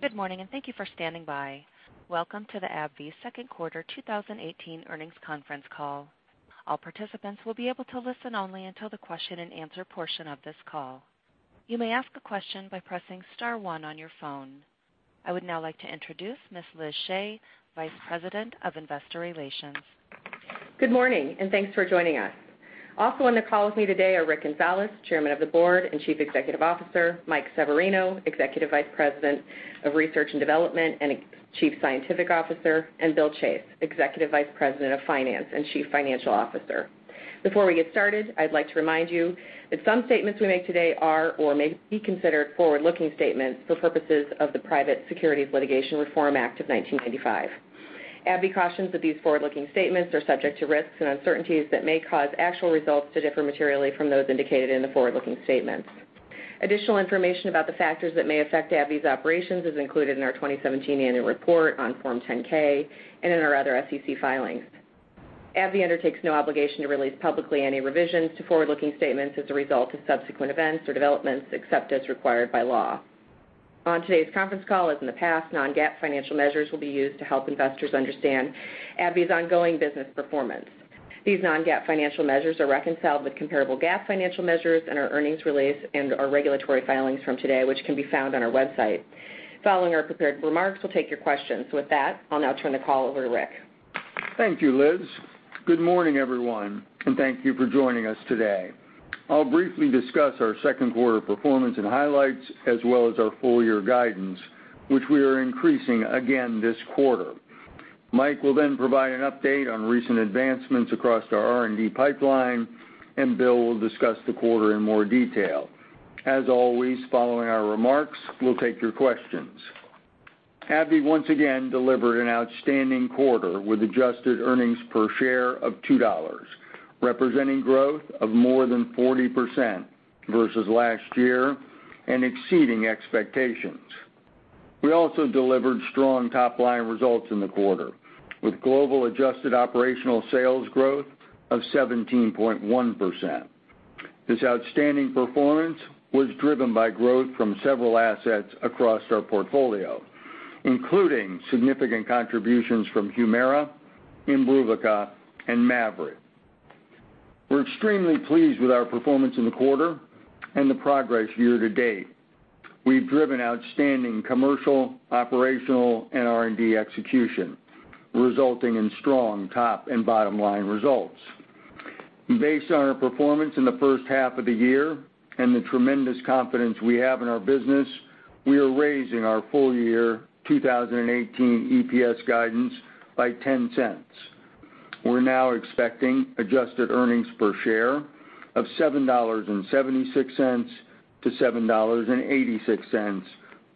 Good morning, and thank you for standing by. Welcome to the AbbVie Second Quarter 2018 Earnings Conference Call. All participants will be able to listen only until the question and answer portion of this call. You may ask a question by pressing * one on your phone. I would now like to introduce Ms. Elizabeth Shea, Vice President of Investor Relations. Good morning, and thanks for joining us. Also on the call with me today are Rick Gonzalez, Chairman of the Board and Chief Executive Officer, Mike Severino, Executive Vice President of Research and Development and Chief Scientific Officer, and Bill Chase, Executive Vice President of Finance and Chief Financial Officer. Before we get started, I'd like to remind you that some statements we make today are or may be considered forward-looking statements for purposes of the Private Securities Litigation Reform Act of 1995. AbbVie cautions that these forward-looking statements are subject to risks and uncertainties that may cause actual results to differ materially from those indicated in the forward-looking statements. Additional information about the factors that may affect AbbVie's operations is included in our 2017 annual report on Form 10-K and in our other SEC filings. AbbVie undertakes no obligation to release publicly any revisions to forward-looking statements as a result of subsequent events or developments, except as required by law. On today's conference call, as in the past, non-GAAP financial measures will be used to help investors understand AbbVie's ongoing business performance. These non-GAAP financial measures are reconciled with comparable GAAP financial measures in our earnings release and our regulatory filings from today, which can be found on our website. Following our prepared remarks, we'll take your questions. With that, I'll now turn the call over to Rick. Thank you, Liz. Good morning, everyone, and thank you for joining us today. I'll briefly discuss our second quarter performance and highlights as well as our full-year guidance, which we are increasing again this quarter. Mike will then provide an update on recent advancements across our R&D pipeline, and Bill will discuss the quarter in more detail. As always, following our remarks, we'll take your questions. AbbVie once again delivered an outstanding quarter with adjusted earnings per share of $2, representing growth of more than 40% versus last year and exceeding expectations. We also delivered strong top-line results in the quarter, with global adjusted operational sales growth of 17.1%. This outstanding performance was driven by growth from several assets across our portfolio, including significant contributions from Humira, IMBRUVICA, and MAVYRET. We're extremely pleased with our performance in the quarter and the progress year to date. We've driven outstanding commercial, operational, and R&D execution, resulting in strong top and bottom-line results. Based on our performance in the first half of the year and the tremendous confidence we have in our business, we are raising our full-year 2018 EPS guidance by $0.10. We're now expecting adjusted earnings per share of $7.76 to $7.86,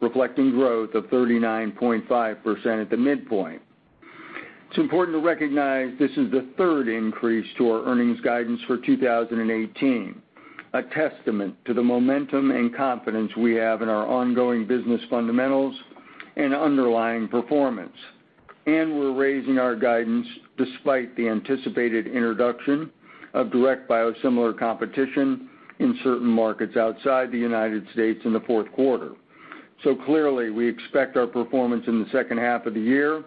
reflecting growth of 39.5% at the midpoint. It's important to recognize this is the third increase to our earnings guidance for 2018, a testament to the momentum and confidence we have in our ongoing business fundamentals and underlying performance. We're raising our guidance despite the anticipated introduction of direct biosimilar competition in certain markets outside the U.S. in the fourth quarter. Clearly, we expect our performance in the second half of the year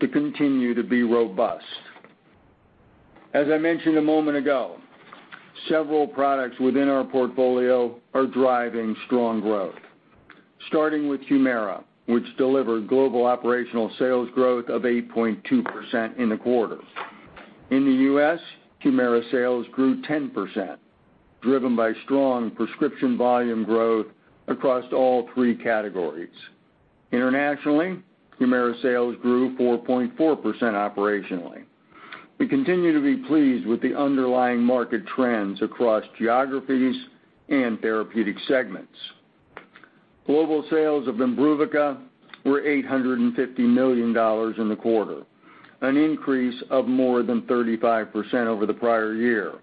to continue to be robust. As I mentioned a moment ago, several products within our portfolio are driving strong growth. Starting with Humira, which delivered global operational sales growth of 8.2% in the quarter. In the U.S., Humira sales grew 10%, driven by strong prescription volume growth across all three categories. Internationally, Humira sales grew 4.4% operationally. We continue to be pleased with the underlying market trends across geographies and therapeutic segments. Global sales of IMBRUVICA were $850 million in the quarter, an increase of more than 35% over the prior year.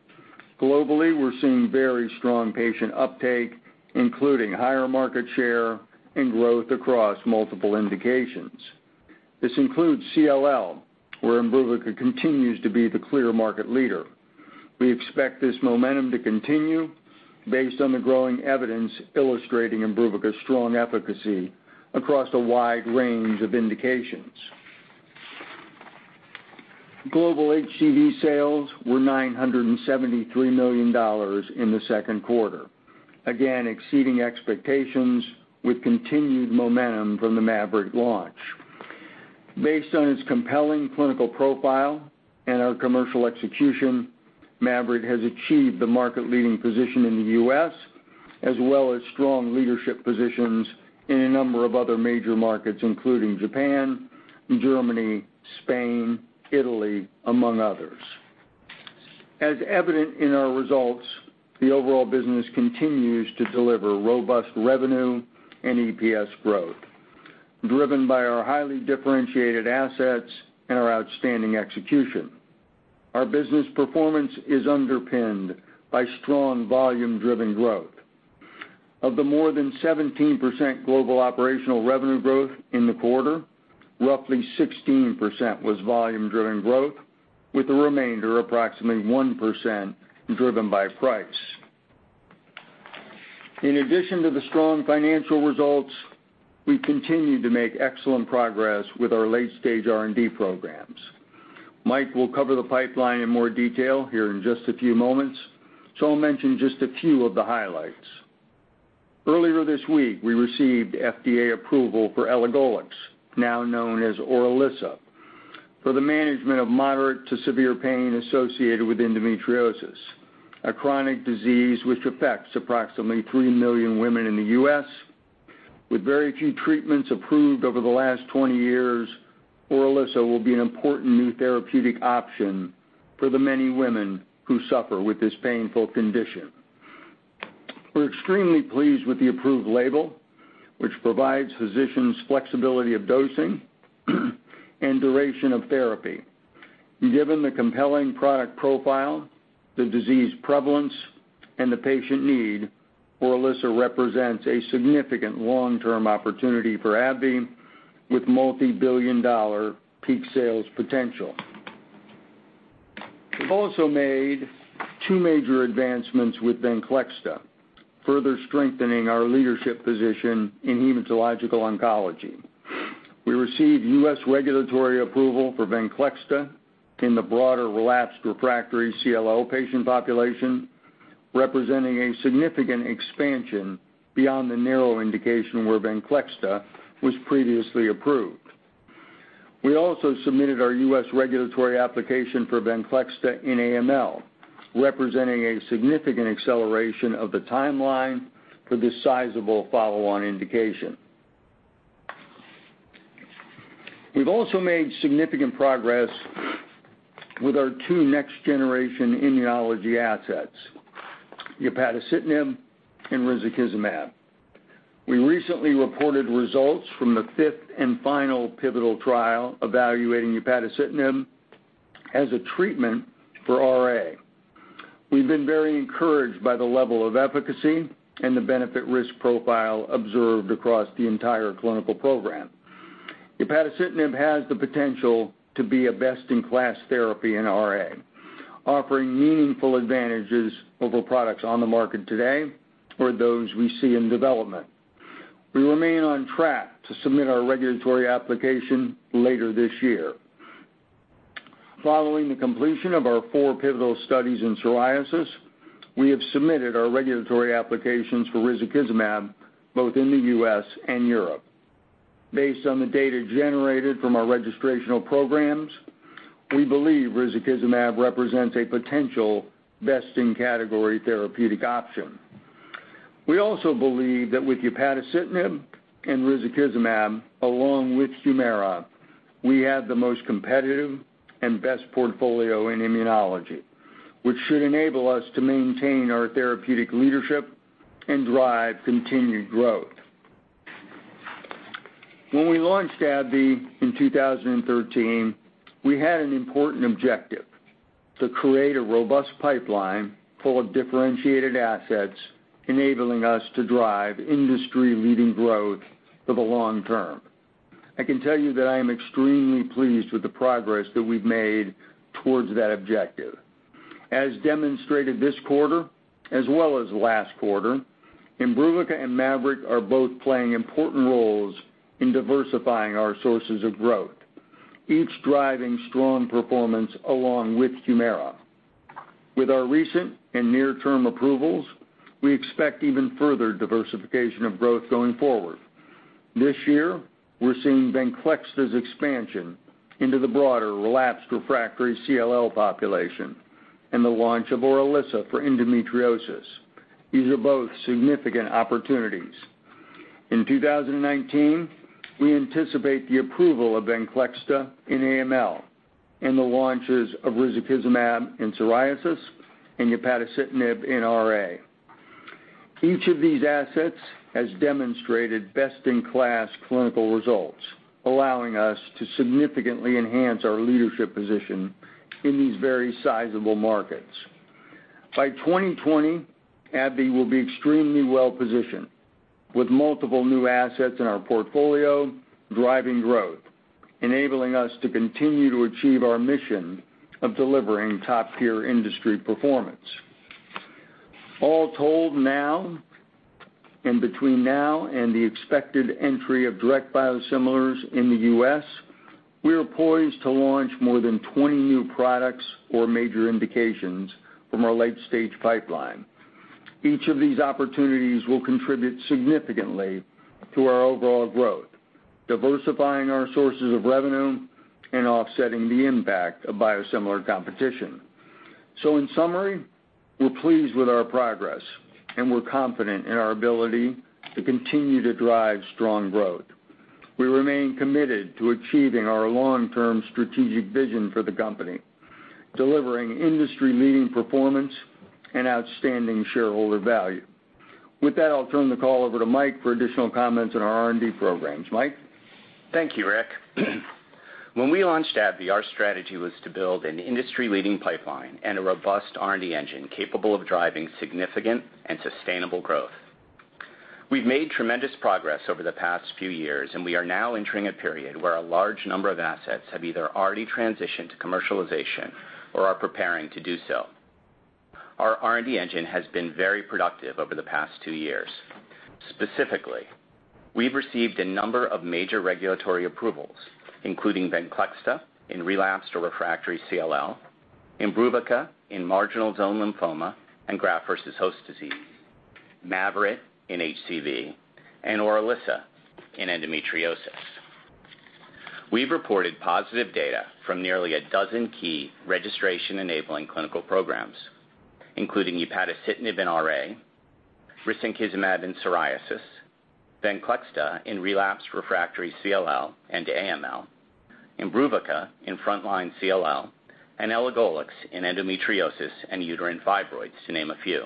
Globally, we're seeing very strong patient uptake, including higher market share and growth across multiple indications. This includes CLL, where IMBRUVICA continues to be the clear market leader. We expect this momentum to continue based on the growing evidence illustrating IMBRUVICA's strong efficacy across a wide range of indications. Global HCV sales were $973 million in the second quarter, again exceeding expectations with continued momentum from the MAVYRET launch. Based on its compelling clinical profile and our commercial execution, MAVYRET has achieved the market-leading position in the U.S., as well as strong leadership positions in a number of other major markets, including Japan, Germany, Spain, Italy, among others. As evident in our results, the overall business continues to deliver robust revenue and EPS growth, driven by our highly differentiated assets and our outstanding execution. Our business performance is underpinned by strong volume-driven growth. Of the more than 17% global operational revenue growth in the quarter, roughly 16% was volume-driven growth, with the remainder, approximately 1%, driven by price. In addition to the strong financial results, we continue to make excellent progress with our late-stage R&D programs. Mike will cover the pipeline in more detail here in just a few moments, I'll mention just a few of the highlights. Earlier this week, we received FDA approval for elagolix, now known as ORILISSA, for the management of moderate to severe pain associated with endometriosis, a chronic disease which affects approximately 3 million women in the U.S. With very few treatments approved over the last 20 years, ORILISSA will be an important new therapeutic option for the many women who suffer with this painful condition. We're extremely pleased with the approved label, which provides physicians flexibility of dosing and duration of therapy. Given the compelling product profile, the disease prevalence, and the patient need, ORILISSA represents a significant long-term opportunity for AbbVie, with multi-billion dollar peak sales potential. We've also made two major advancements with VENCLEXTA, further strengthening our leadership position in hematological oncology. We received U.S. regulatory approval for Venclexta in the broader relapsed/refractory CLL patient population, representing a significant expansion beyond the narrow indication where Venclexta was previously approved. We also submitted our U.S. regulatory application for Venclexta in AML, representing a significant acceleration of the timeline for this sizable follow-on indication. We've also made significant progress with our two next-generation immunology assets, upadacitinib and risankizumab. We recently reported results from the fifth and final pivotal trial evaluating upadacitinib as a treatment for RA. We've been very encouraged by the level of efficacy and the benefit/risk profile observed across the entire clinical program. Upadacitinib has the potential to be a best-in-class therapy in RA, offering meaningful advantages over products on the market today or those we see in development. We remain on track to submit our regulatory application later this year. Following the completion of our four pivotal studies in psoriasis, we have submitted our regulatory applications for risankizumab both in the U.S. and Europe. Based on the data generated from our registrational programs, we believe risankizumab represents a potential best-in-category therapeutic option. We also believe that with upadacitinib and risankizumab, along with Humira, we have the most competitive and best portfolio in immunology, which should enable us to maintain our therapeutic leadership and drive continued growth. When we launched AbbVie in 2013, we had an important objective: to create a robust pipeline full of differentiated assets, enabling us to drive industry-leading growth for the long term. I can tell you that I am extremely pleased with the progress that we've made towards that objective. As demonstrated this quarter, as well as last quarter, IMBRUVICA and MAVYRET are both playing important roles in diversifying our sources of growth, each driving strong performance along with Humira. With our recent and near-term approvals, we expect even further diversification of growth going forward. This year, we're seeing Venclexta's expansion into the broader relapsed/refractory CLL population and the launch of ORILISSA for endometriosis. These are both significant opportunities. In 2019, we anticipate the approval of Venclexta in AML and the launches of risankizumab in psoriasis and upadacitinib in RA. Each of these assets has demonstrated best-in-class clinical results, allowing us to significantly enhance our leadership position in these very sizable markets. By 2020, AbbVie will be extremely well-positioned, with multiple new assets in our portfolio driving growth, enabling us to continue to achieve our mission of delivering top-tier industry performance. All told now, and between now and the expected entry of direct biosimilars in the U.S., we are poised to launch more than 20 new products or major indications from our late-stage pipeline. Each of these opportunities will contribute significantly to our overall growth, diversifying our sources of revenue and offsetting the impact of biosimilar competition. In summary, we're pleased with our progress, and we're confident in our ability to continue to drive strong growth. We remain committed to achieving our long-term strategic vision for the company, delivering industry-leading performance and outstanding shareholder value. With that, I'll turn the call over to Mike for additional comments on our R&D programs. Mike? Thank you, Rick. When we launched AbbVie, our strategy was to build an industry-leading pipeline and a robust R&D engine capable of driving significant and sustainable growth. We've made tremendous progress over the past few years, and we are now entering a period where a large number of assets have either already transitioned to commercialization or are preparing to do so. Our R&D engine has been very productive over the past two years. Specifically, we've received a number of major regulatory approvals, including VENCLEXTA in relapsed or refractory CLL, IMBRUVICA in marginal zone lymphoma and graft-versus-host disease, MAVYRET in HCV, and ORILISSA in endometriosis. We've reported positive data from nearly a dozen key registration-enabling clinical programs, including upadacitinib in RA, risankizumab in psoriasis, VENCLEXTA in relapsed/refractory CLL and AML, IMBRUVICA in frontline CLL, and elagolix in endometriosis and uterine fibroids, to name a few.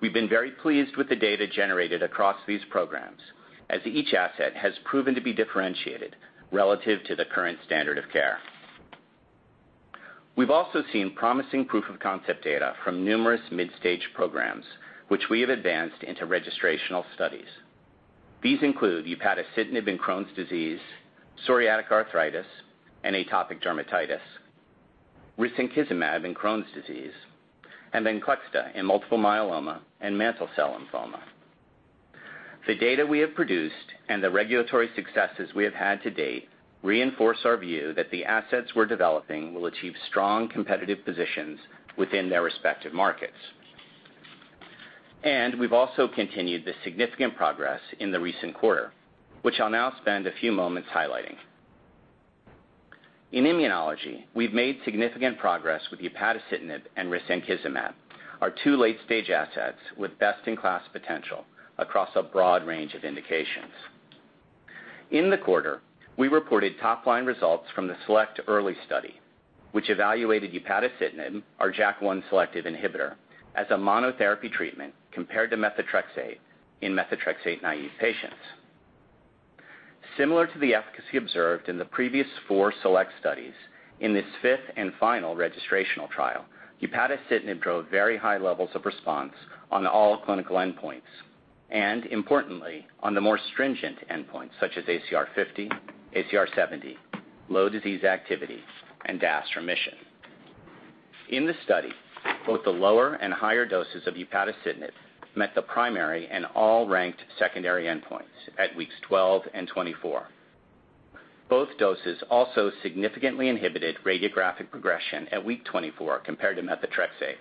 We've been very pleased with the data generated across these programs, as each asset has proven to be differentiated relative to the current standard of care. We've also seen promising proof of concept data from numerous mid-stage programs, which we have advanced into registrational studies. These include upadacitinib in Crohn's disease, psoriatic arthritis, and atopic dermatitis, risankizumab in Crohn's disease, and VENCLEXTA in multiple myeloma and mantle cell lymphoma. The data we have produced and the regulatory successes we have had to date reinforce our view that the assets we're developing will achieve strong competitive positions within their respective markets. We've also continued the significant progress in the recent quarter, which I'll now spend a few moments highlighting. In immunology, we've made significant progress with upadacitinib and risankizumab, our two late-stage assets with best-in-class potential across a broad range of indications. In the quarter, we reported top-line results from the SELECT-EARLY study, which evaluated upadacitinib, our JAK1 selective inhibitor, as a monotherapy treatment compared to methotrexate in methotrexate-naive patients. Similar to the efficacy observed in the previous four SELECT studies, in this fifth and final registrational trial, upadacitinib drove very high levels of response on all clinical endpoints, and importantly, on the more stringent endpoints such as ACR50, ACR70, low disease activity, and DAS remission. In the study, both the lower and higher doses of upadacitinib met the primary and all ranked secondary endpoints at weeks 12 and 24. Both doses also significantly inhibited radiographic progression at week 24 compared to methotrexate.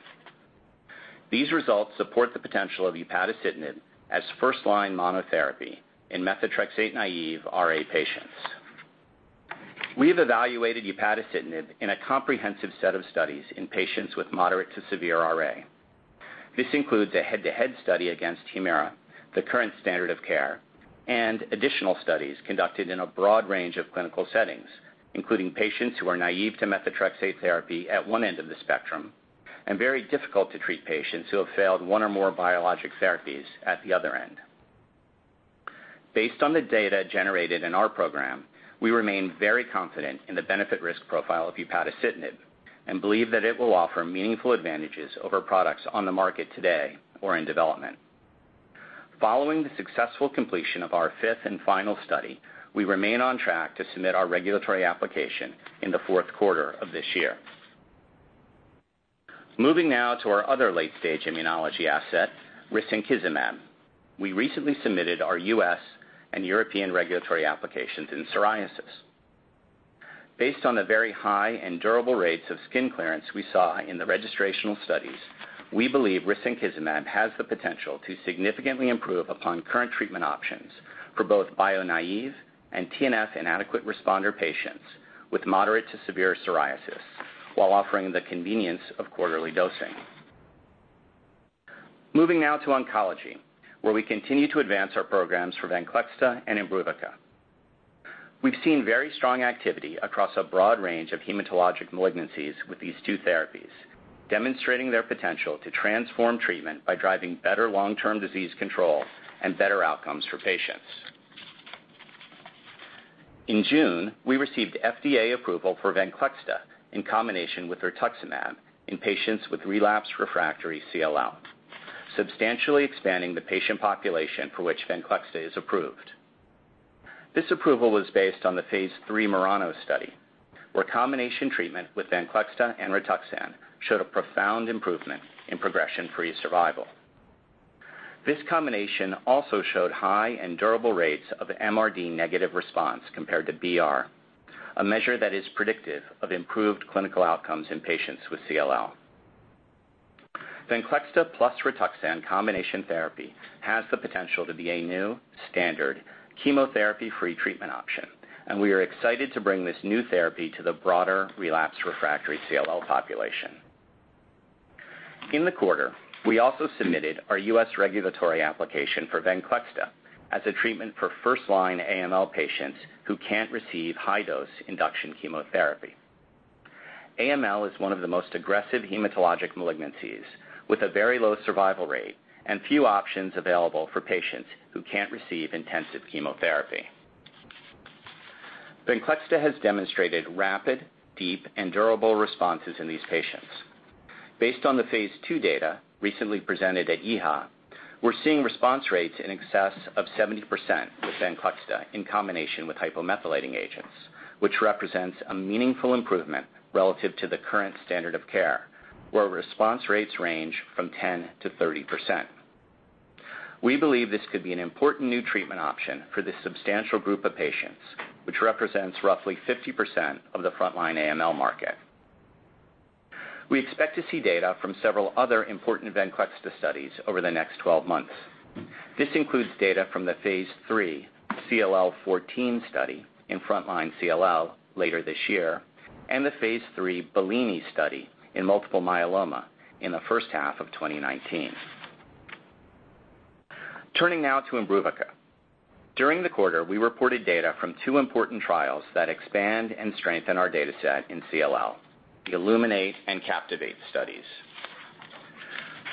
These results support the potential of upadacitinib as first-line monotherapy in methotrexate-naive RA patients. We have evaluated upadacitinib in a comprehensive set of studies in patients with moderate to severe RA. This includes a head-to-head study against HUMIRA, the current standard of care, and additional studies conducted in a broad range of clinical settings, including patients who are naive to methotrexate therapy at one end of the spectrum and very difficult to treat patients who have failed one or more biologic therapies at the other end. Based on the data generated in our program, we remain very confident in the benefit/risk profile of upadacitinib and believe that it will offer meaningful advantages over products on the market today or in development. Following the successful completion of our fifth and final study, we remain on track to submit our regulatory application in the fourth quarter of this year. Moving now to our other late-stage immunology asset, risankizumab. We recently submitted our U.S. and European regulatory applications in psoriasis. Based on the very high and durable rates of skin clearance we saw in the registrational studies, we believe risankizumab has the potential to significantly improve upon current treatment options for both bio-naive and TNF-inadequate responder patients with moderate to severe psoriasis while offering the convenience of quarterly dosing. Moving now to oncology, where we continue to advance our programs for Venclexta and IMBRUVICA. We've seen very strong activity across a broad range of hematologic malignancies with these two therapies, demonstrating their potential to transform treatment by driving better long-term disease control and better outcomes for patients. In June, we received FDA approval for Venclexta in combination with rituximab in patients with relapsed/refractory CLL, substantially expanding the patient population for which Venclexta is approved. This approval was based on the phase III MURANO study, where combination treatment with Venclexta and Rituxan showed a profound improvement in progression-free survival. This combination also showed high and durable rates of MRD negative response compared to BR, a measure that is predictive of improved clinical outcomes in patients with CLL. Venclexta plus Rituxan combination therapy has the potential to be a new standard chemotherapy-free treatment option. We are excited to bring this new therapy to the broader relapsed/refractory CLL population. In the quarter, we also submitted our U.S. regulatory application for Venclexta as a treatment for first-line AML patients who can't receive high-dose induction chemotherapy. AML is one of the most aggressive hematologic malignancies, with a very low survival rate and few options available for patients who can't receive intensive chemotherapy. Venclexta has demonstrated rapid, deep, and durable responses in these patients. Based on the phase II data recently presented at EHA, we're seeing response rates in excess of 70% with Venclexta in combination with hypomethylating agents, which represents a meaningful improvement relative to the current standard of care, where response rates range from 10%-30%. We believe this could be an important new treatment option for this substantial group of patients, which represents roughly 50% of the frontline AML market. We expect to see data from several other important Venclexta studies over the next 12 months. This includes data from the phase III CLL14 study in frontline CLL later this year, and the phase III BELLINI study in multiple myeloma in the first half of 2019. Turning now to IMBRUVICA. During the quarter, we reported data from two important trials that expand and strengthen our data set in CLL, the ILLUMINATE and CAPTIVATE studies.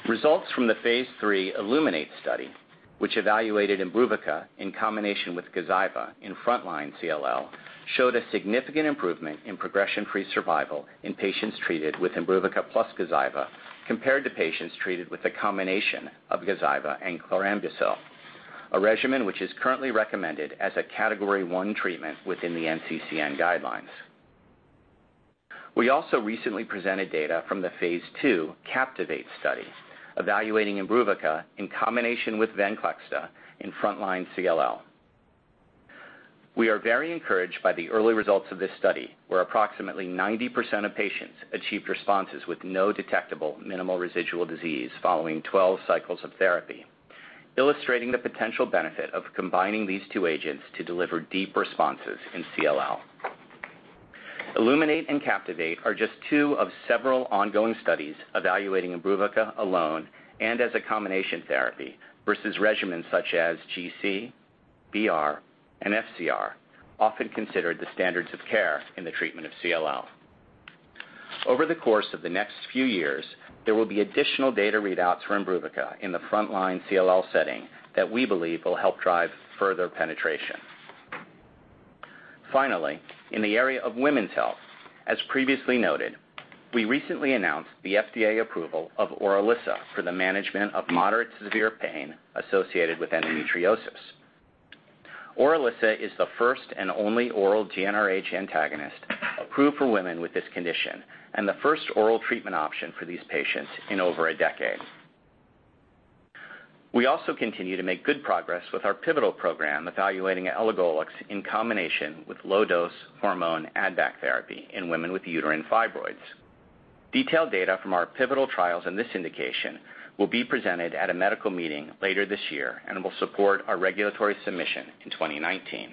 Results from the phase III ILLUMINATE study, which evaluated IMBRUVICA in combination with GAZYVA in frontline CLL, showed a significant improvement in progression-free survival in patients treated with IMBRUVICA plus GAZYVA, compared to patients treated with a combination of GAZYVA and chlorambucil, a regimen which is currently recommended as a category 1 treatment within the NCCN guidelines. We also recently presented data from the phase II CAPTIVATE study, evaluating IMBRUVICA in combination with Venclexta in frontline CLL. We are very encouraged by the early results of this study, where approximately 90% of patients achieved responses with no detectable minimal residual disease following 12 cycles of therapy, illustrating the potential benefit of combining these two agents to deliver deep responses in CLL. iLLUMINATE and CAPTIVATE are just two of several ongoing studies evaluating IMBRUVICA alone and as a combination therapy versus regimens such as GC, BR, and FCR, often considered the standards of care in the treatment of CLL. Over the course of the next few years, there will be additional data readouts for IMBRUVICA in the frontline CLL setting that we believe will help drive further penetration. Finally, in the area of women's health, as previously noted, we recently announced the FDA approval of ORILISSA for the management of moderate-to-severe pain associated with endometriosis. ORILISSA is the first and only oral GnRH antagonist approved for women with this condition and the first oral treatment option for these patients in over a decade. We also continue to make good progress with our pivotal program evaluating elagolix in combination with low-dose hormone add-back therapy in women with uterine fibroids. Detailed data from our pivotal trials in this indication will be presented at a medical meeting later this year and will support our regulatory submission in 2019.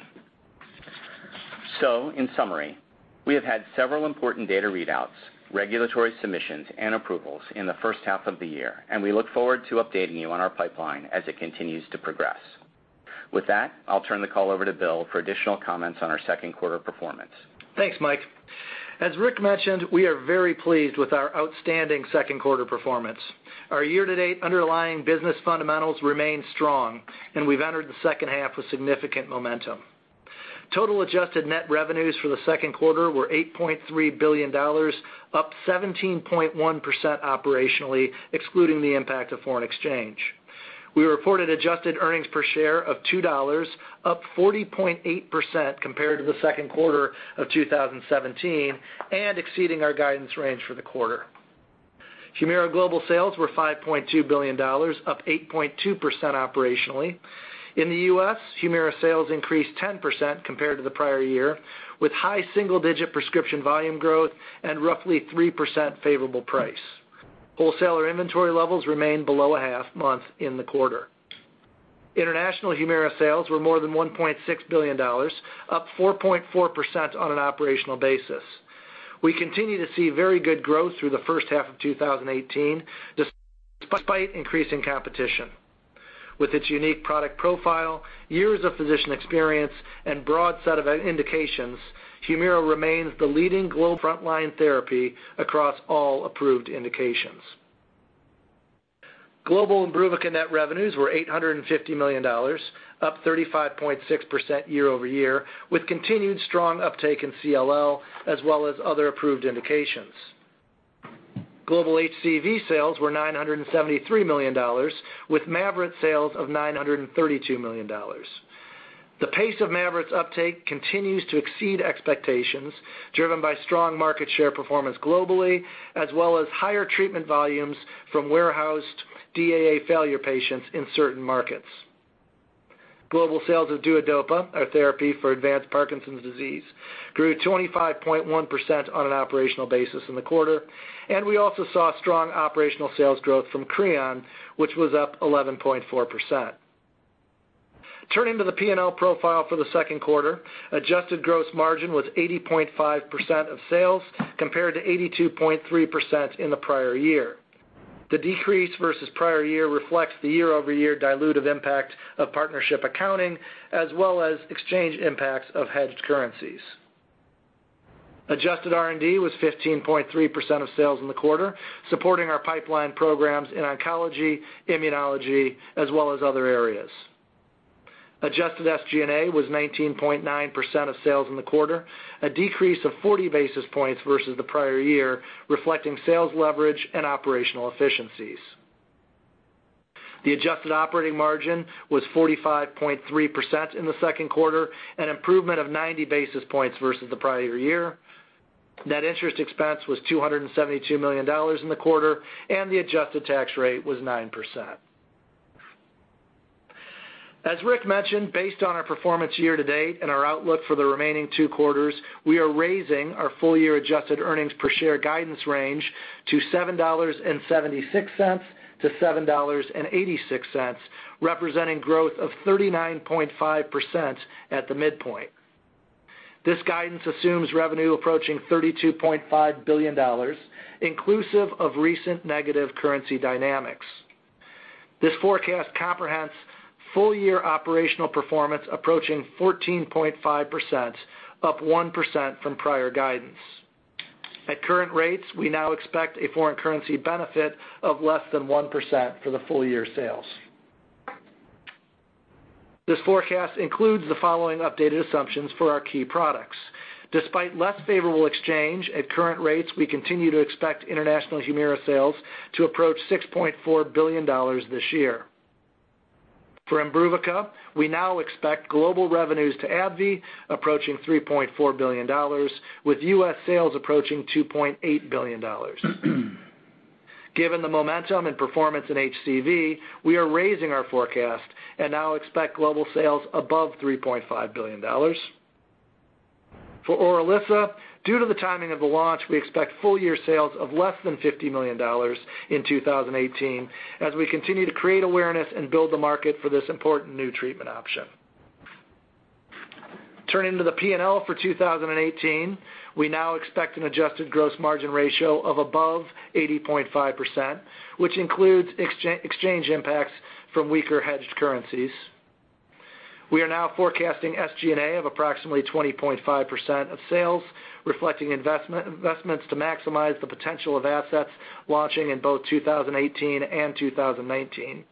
In summary, we have had several important data readouts, regulatory submissions, and approvals in the first half of the year, and we look forward to updating you on our pipeline as it continues to progress. With that, I'll turn the call over to Bill for additional comments on our second quarter performance. Thanks, Mike. As Rick mentioned, we are very pleased with our outstanding second quarter performance. Our year-to-date underlying business fundamentals remain strong, and we've entered the second half with significant momentum. Total adjusted net revenues for the second quarter were $8.3 billion, up 17.1% operationally, excluding the impact of foreign exchange. We reported adjusted earnings per share of $2, up 40.8% compared to the second quarter of 2017 and exceeding our guidance range for the quarter. HUMIRA global sales were $5.2 billion, up 8.2% operationally. In the U.S., HUMIRA sales increased 10% compared to the prior year, with high single-digit prescription volume growth and roughly 3% favorable price. Wholesaler inventory levels remained below a half-month in the quarter. International HUMIRA sales were more than $1.6 billion, up 4.4% on an operational basis. We continue to see very good growth through the first half of 2018, despite increasing competition. With its unique product profile, years of physician experience, and broad set of indications, HUMIRA remains the leading global frontline therapy across all approved indications. Global IMBRUVICA net revenues were $850 million, up 35.6% year-over-year, with continued strong uptake in CLL as well as other approved indications. Global HCV sales were $973 million, with MAVYRET sales of $932 million. The pace of MAVYRET's uptake continues to exceed expectations, driven by strong market share performance globally as well as higher treatment volumes from warehoused DAA failure patients in certain markets. Global sales of DUODOPA, our therapy for advanced Parkinson's disease, grew 25.1% on an operational basis in the quarter, and we also saw strong operational sales growth from CREON, which was up 11.4%. Turning to the P&L profile for the second quarter, adjusted gross margin was 80.5% of sales compared to 82.3% in the prior year. The decrease versus prior year reflects the year-over-year dilutive impact of partnership accounting as well as exchange impacts of hedged currencies. Adjusted R&D was 15.3% of sales in the quarter, supporting our pipeline programs in oncology, immunology, as well as other areas. Adjusted SG&A was 19.9% of sales in the quarter, a decrease of 40 basis points versus the prior year, reflecting sales leverage and operational efficiencies. The adjusted operating margin was 45.3% in the second quarter, an improvement of 90 basis points versus the prior year. Net interest expense was $272 million in the quarter. The adjusted tax rate was 9%. As Rick mentioned, based on our performance year-to-date and our outlook for the remaining two quarters, we are raising our full-year adjusted earnings per share guidance range to $7.76-$7.86, representing growth of 39.5% at the midpoint. This guidance assumes revenue approaching $32.5 billion, inclusive of recent negative currency dynamics. This forecast comprehends full-year operational performance approaching 14.5%, up 1% from prior guidance. At current rates, we now expect a foreign currency benefit of less than 1% for the full-year sales. This forecast includes the following updated assumptions for our key products. Despite less favorable exchange at current rates, we continue to expect international Humira sales to approach $6.4 billion this year. For Imbruvica, we now expect global revenues to AbbVie approaching $3.4 billion, with U.S. sales approaching $2.8 billion. Given the momentum and performance in HCV, we are raising our forecast and now expect global sales above $3.5 billion. For ORILISSA, due to the timing of the launch, we expect full-year sales of less than $50 million in 2018, as we continue to create awareness and build the market for this important new treatment option. Turning to the P&L for 2018, we now expect an adjusted gross margin ratio of above 80.5%, which includes exchange impacts from weaker hedged currencies. We are now forecasting SG&A of approximately 20.5% of sales, reflecting investments to maximize the potential of assets launching in both 2018 and 2019.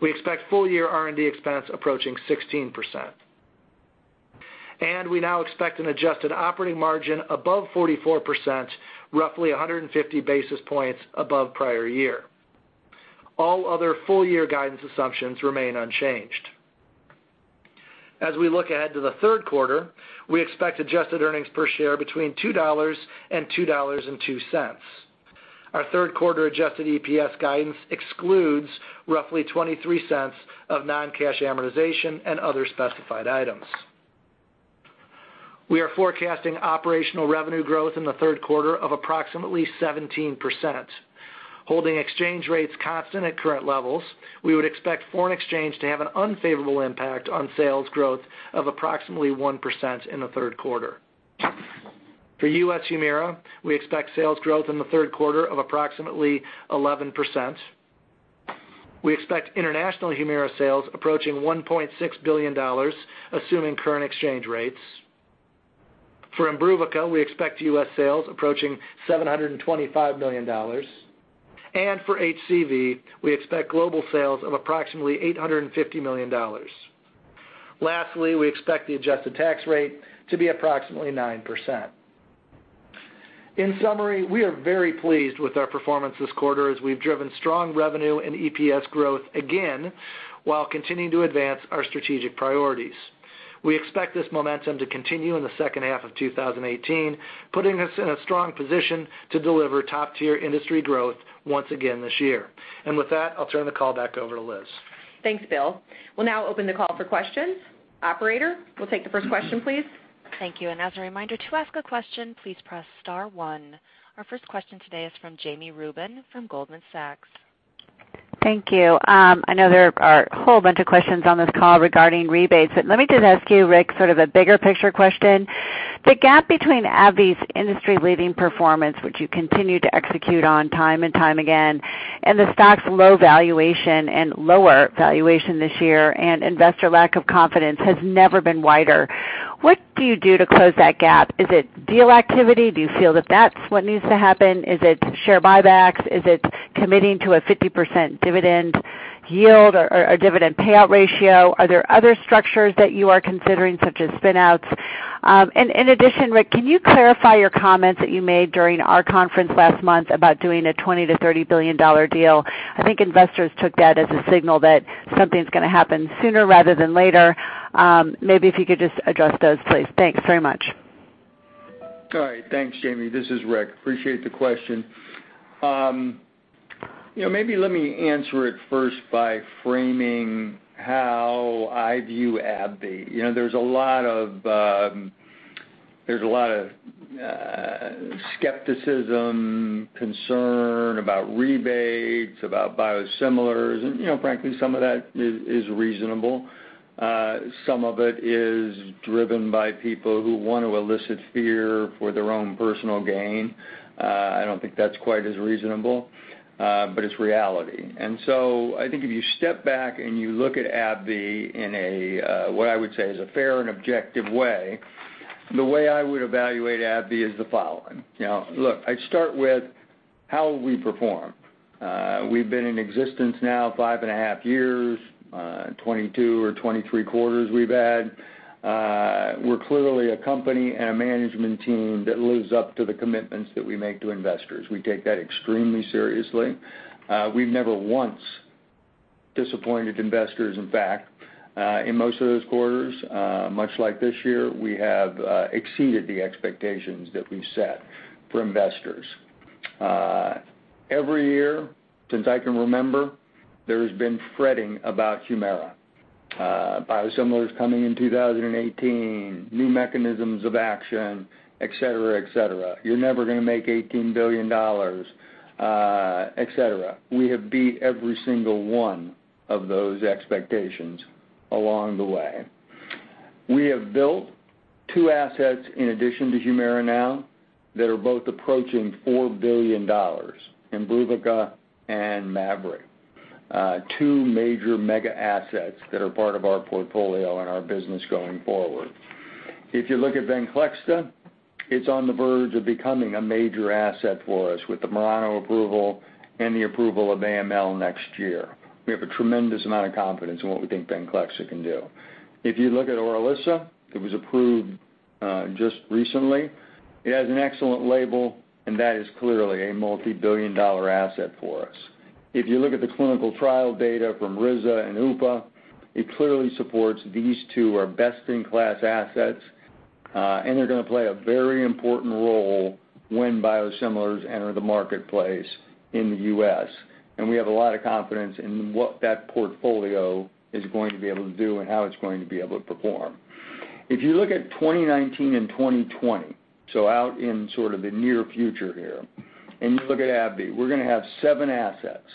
We expect full-year R&D expense approaching 16%. We now expect an adjusted operating margin above 44%, roughly 150 basis points above prior year. All other full-year guidance assumptions remain unchanged. As we look ahead to the third quarter, we expect adjusted earnings per share between $2 and $2.02. Our third quarter adjusted EPS guidance excludes roughly $0.23 of non-cash amortization and other specified items. We are forecasting operational revenue growth in the third quarter of approximately 17%. Holding exchange rates constant at current levels, we would expect foreign exchange to have an unfavorable impact on sales growth of approximately 1% in the third quarter. For U.S. Humira, we expect sales growth in the third quarter of approximately 11%. We expect international Humira sales approaching $1.6 billion, assuming current exchange rates. For Imbruvica, we expect U.S. sales approaching $725 million. For HCV, we expect global sales of approximately $850 million. Lastly, we expect the adjusted tax rate to be approximately 9%. In summary, we are very pleased with our performance this quarter as we've driven strong revenue and EPS growth again while continuing to advance our strategic priorities. We expect this momentum to continue in the second half of 2018, putting us in a strong position to deliver top-tier industry growth once again this year. With that, I'll turn the call back over to Liz. Thanks, Bill. We'll now open the call for questions. Operator, we'll take the first question, please. Thank you. As a reminder, to ask a question, please press *1. Our first question today is from Jami Rubin from Goldman Sachs. Thank you. I know there are a whole bunch of questions on this call regarding rebates, let me just ask you, Rick, sort of a bigger picture question. The gap between AbbVie's industry-leading performance, which you continue to execute on time and time again, and the stock's low valuation and lower valuation this year, and investor lack of confidence has never been wider. What do you do to close that gap? Is it deal activity? Do you feel that that's what needs to happen? Is it share buybacks? Is it committing to a 50% dividend yield or dividend payout ratio? Are there other structures that you are considering, such as spin-outs? In addition, Rick, can you clarify your comments that you made during our conference last month about doing a $20 billion-$30 billion deal? I think investors took that as a signal that something's going to happen sooner rather than later. Maybe if you could just address those, please. Thanks very much. All right. Thanks, Jami. This is Rick. Appreciate the question. Let me answer it first by framing how I view AbbVie. There is a lot of skepticism, concern about rebates, about biosimilars, and frankly, some of that is reasonable. Some of it is driven by people who want to elicit fear for their own personal gain. I don't think that's quite as reasonable, but it's reality. I think if you step back and you look at AbbVie in a, what I would say, is a fair and objective way, the way I would evaluate AbbVie is the following. Look, I'd start with How will we perform? We've been in existence now five and a half years, 22 or 23 quarters we've had. We're clearly a company and a management team that lives up to the commitments that we make to investors. We take that extremely seriously. We've never once disappointed investors. In fact, in most of those quarters, much like this year, we have exceeded the expectations that we've set for investors. Every year, since I can remember, there has been fretting about Humira. Biosimilars coming in 2018, new mechanisms of action, et cetera. "You're never going to make $18 billion," et cetera. We have beat every single one of those expectations along the way. We have built two assets in addition to Humira now, that are both approaching $4 billion, IMBRUVICA and MAVYRET. Two major mega assets that are part of our portfolio and our business going forward. If you look at VENCLEXTA, it's on the verge of becoming a major asset for us with the MURANO approval and the approval of AML next year. We have a tremendous amount of confidence in what we think VENCLEXTA can do. If you look at ORILISSA, it was approved just recently. It has an excellent label, and that is clearly a multi-billion dollar asset for us. If you look at the clinical trial data from riza and upa, it clearly supports these two are best-in-class assets, and they're going to play a very important role when biosimilars enter the marketplace in the U.S. We have a lot of confidence in what that portfolio is going to be able to do and how it's going to be able to perform. If you look at 2019 and 2020, out in sort of the near future here, and you look at AbbVie, we're going to have seven assets,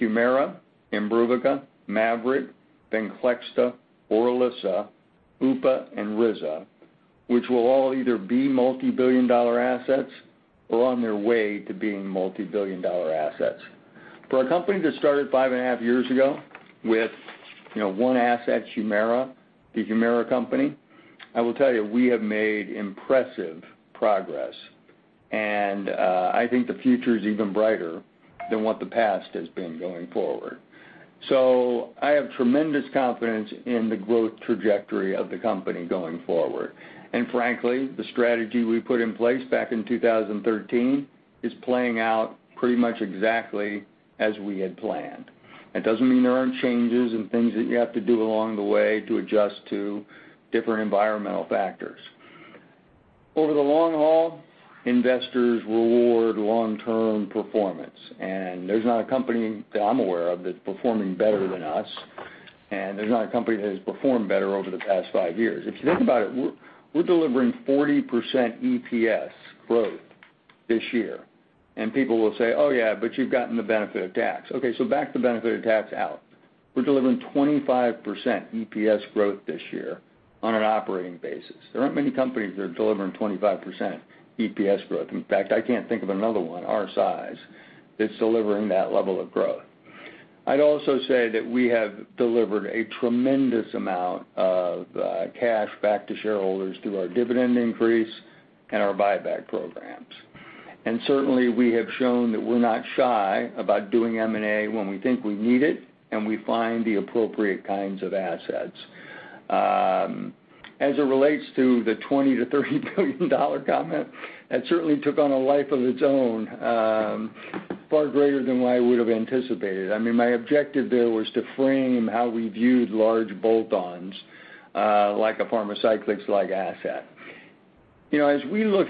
Humira, IMBRUVICA, MAVYRET, VENCLEXTA, ORILISSA, upa, and riza, which will all either be multi-billion dollar assets or on their way to being multi-billion dollar assets. For a company that started five and a half years ago with one asset, Humira, the Humira company, I will tell you, we have made impressive progress. I think the future is even brighter than what the past has been going forward. I have tremendous confidence in the growth trajectory of the company going forward. Frankly, the strategy we put in place back in 2013 is playing out pretty much exactly as we had planned. That doesn't mean there aren't changes and things that you have to do along the way to adjust to different environmental factors. Over the long haul, investors reward long-term performance, and there's not a company that I'm aware of that's performing better than us, and there's not a company that has performed better over the past five years. If you think about it, we're delivering 40% EPS growth this year. People will say, "Oh, yeah, but you've gotten the benefit of tax." Okay, back the benefit of tax out. We're delivering 25% EPS growth this year on an operating basis. There aren't many companies that are delivering 25% EPS growth. In fact, I can't think of another one our size that's delivering that level of growth. I'd also say that we have delivered a tremendous amount of cash back to shareholders through our dividend increase and our buyback programs. Certainly, we have shown that we're not shy about doing M&A when we think we need it and we find the appropriate kinds of assets. As it relates to the $20 billion-$30 billion comment, that certainly took on a life of its own, far greater than what I would've anticipated. My objective there was to frame how we viewed large bolt-ons, like a Pharmacyclics-like asset. As we look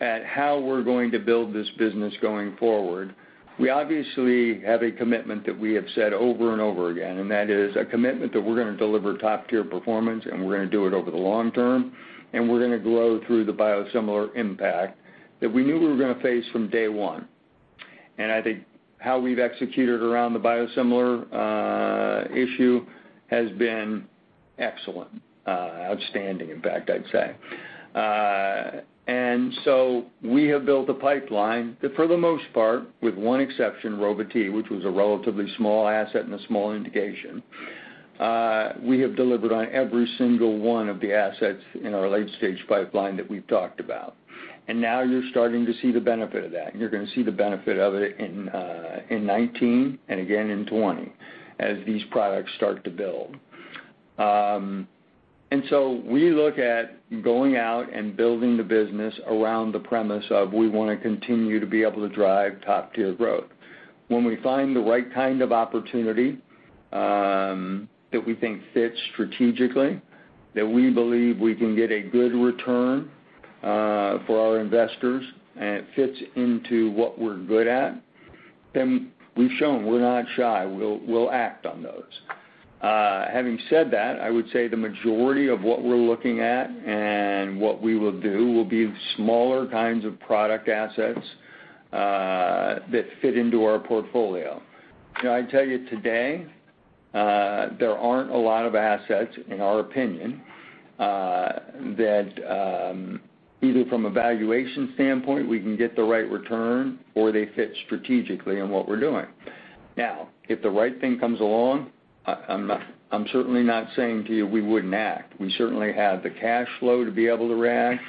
at how we're going to build this business going forward, we obviously have a commitment that we have said over and over again, and that is a commitment that we're going to deliver top-tier performance and we're going to do it over the long term, and we're going to grow through the biosimilar impact that we knew we were going to face from day one. I think how we've executed around the biosimilar issue has been excellent. Outstanding, in fact, I'd say. We have built a pipeline that for the most part, with one exception, Rova-T, which was a relatively small asset and a small indication, we have delivered on every single one of the assets in our late-stage pipeline that we've talked about. Now you're starting to see the benefit of that, and you're going to see the benefit of it in 2019 and again in 2020 as these products start to build. We look at going out and building the business around the premise of we want to continue to be able to drive top-tier growth. When we find the right kind of opportunity that we think fits strategically, that we believe we can get a good return for our investors, and it fits into what we're good at, then we've shown we're not shy. We'll act on those. Having said that, I would say the majority of what we're looking at and what we will do will be smaller kinds of product assets that fit into our portfolio. I tell you today, there aren't a lot of assets, in our opinion, that either from a valuation standpoint, we can get the right return or they fit strategically in what we're doing. If the right thing comes along, I'm certainly not saying to you we wouldn't act. We certainly have the cash flow to be able to act.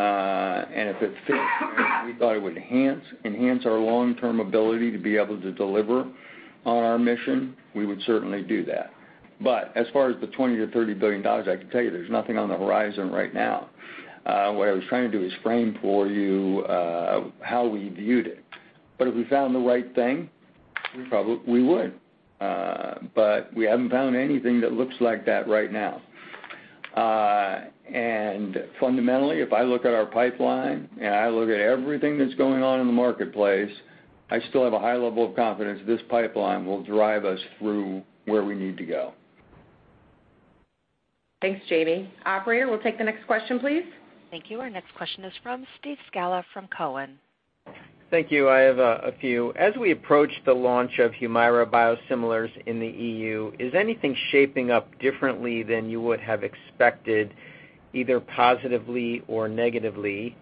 If it fits, and we thought it would enhance our long-term ability to be able to deliver on our mission, we would certainly do that. As far as the $20 billion-$30 billion, I can tell you there's nothing on the horizon right now. What I was trying to do is frame for you how we viewed it. If we found the right thing, we would. We haven't found anything that looks like that right now. Fundamentally, if I look at our pipeline, and I look at everything that's going on in the marketplace, I still have a high level of confidence this pipeline will drive us through where we need to go. Thanks, Jami. Operator, we'll take the next question, please. Thank you. Our next question is from Steve Scala from Cowen. Thank you. I have a few. As we approach the launch of Humira biosimilars in the EU, is anything shaping up differently than you would have expected, either positively or negatively?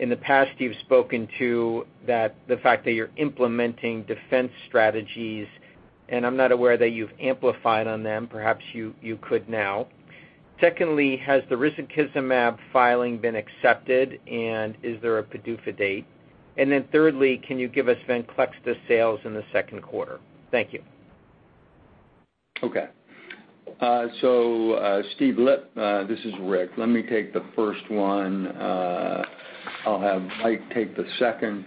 In the past, you've spoken to the fact that you're implementing defense strategies, and I'm not aware that you've amplified on them. Perhaps you could now. Secondly, has the risankizumab filing been accepted, and is there a PDUFA date? Thirdly, can you give us Venclexta sales in the second quarter? Thank you. Okay. Steve, this is Rick. Let me take the first one. I'll have Mike take the second,